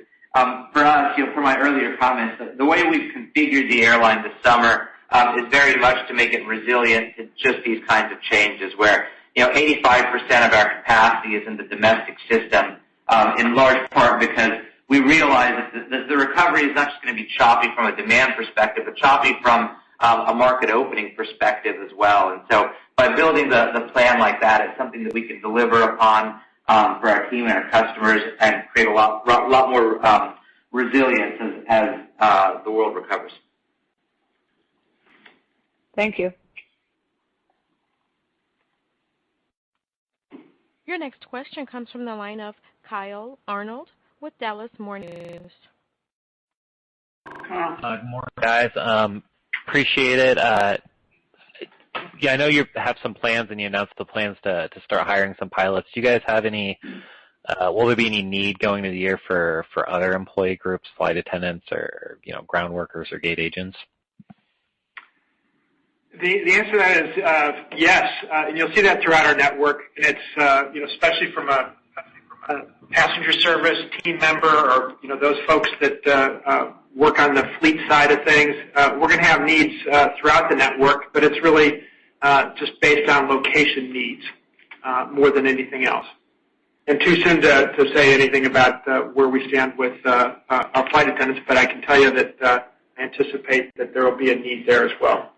for us, from my earlier comments, the way we've configured the airline this summer is very much to make it resilient to just these kinds of changes, where 85% of our capacity is in the domestic system, in large part because we realize that the recovery is not just going to be choppy from a demand perspective, but choppy from a market opening perspective as well. By building the plan like that, it's something that we can deliver upon for our team and our customers and create a lot more resilience as the world recovers. Thank you. Your next question comes from the line of Kyle Arnold with The Dallas Morning News. Kyle. Good morning, guys. Appreciate it. Yeah, I know you have some plans, and you announced the plans to start hiring some pilots. Will there be any need going into the year for other employee groups, flight attendants, or ground workers or gate agents? The answer to that is yes. You'll see that throughout our network, and it's especially from a passenger service team member or those folks that work on the fleet side of things. We're going to have needs throughout the network, but it's really just based on location needs more than anything else. Too soon to say anything about where we stand with our flight attendants, but I can tell you that I anticipate that there will be a need there as well.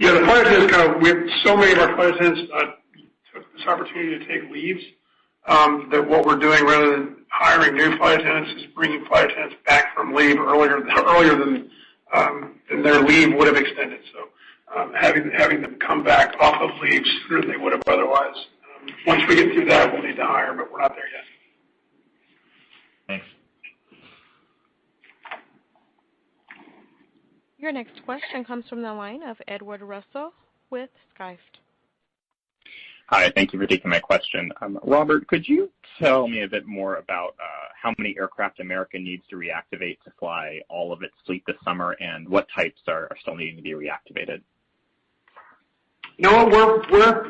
Yeah, the part is with so many of our flight attendants took this opportunity to take leaves, that what we're doing, rather than hiring new flight attendants, is bringing flight attendants back from leave earlier than their leave would've extended, having them come back off of leave sooner than they would have otherwise. Once we get through that, we'll need to hire, but we're not there yet. Thanks. Your next question comes from the line of Edward Russell with Skift. Hi. Thank you for taking my question. Robert, could you tell me a bit more about how many aircraft American needs to reactivate to fly all of its fleet this summer, and what types are still needing to be reactivated? No,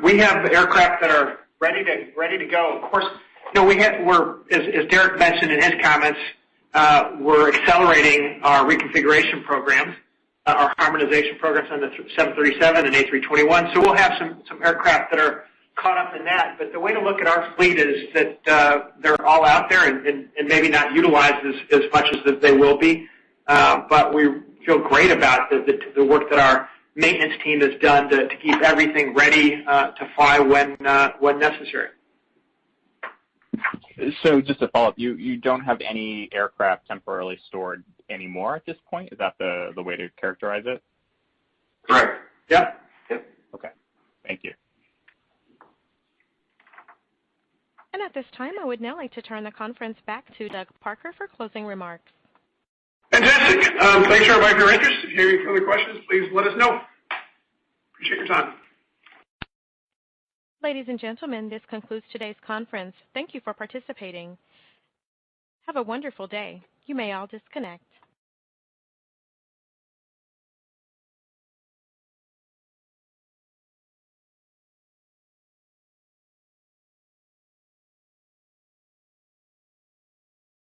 we have aircraft that are ready to go. Of course, as Derek mentioned in his comments, we're accelerating our reconfiguration programs, our harmonization programs on the 737 and A321. We'll have some aircraft that are caught up in that. The way to look at our fleet is that they're all out there and maybe not utilized as much as they will be. We feel great about the work that our maintenance team has done to keep everything ready to fly when necessary. Just to follow up, you don't have any aircraft temporarily stored anymore at this point? Is that the way to characterize it? Correct. Yep. Okay. Thank you. At this time, I would now like to turn the conference back to Doug Parker for closing remarks. Fantastic. Thanks, everybody, for your interest. If you have any further questions, please let us know. Appreciate your time. Ladies and gentlemen, this concludes today's conference. Thank you for participating. Have a wonderful day. You may all disconnect.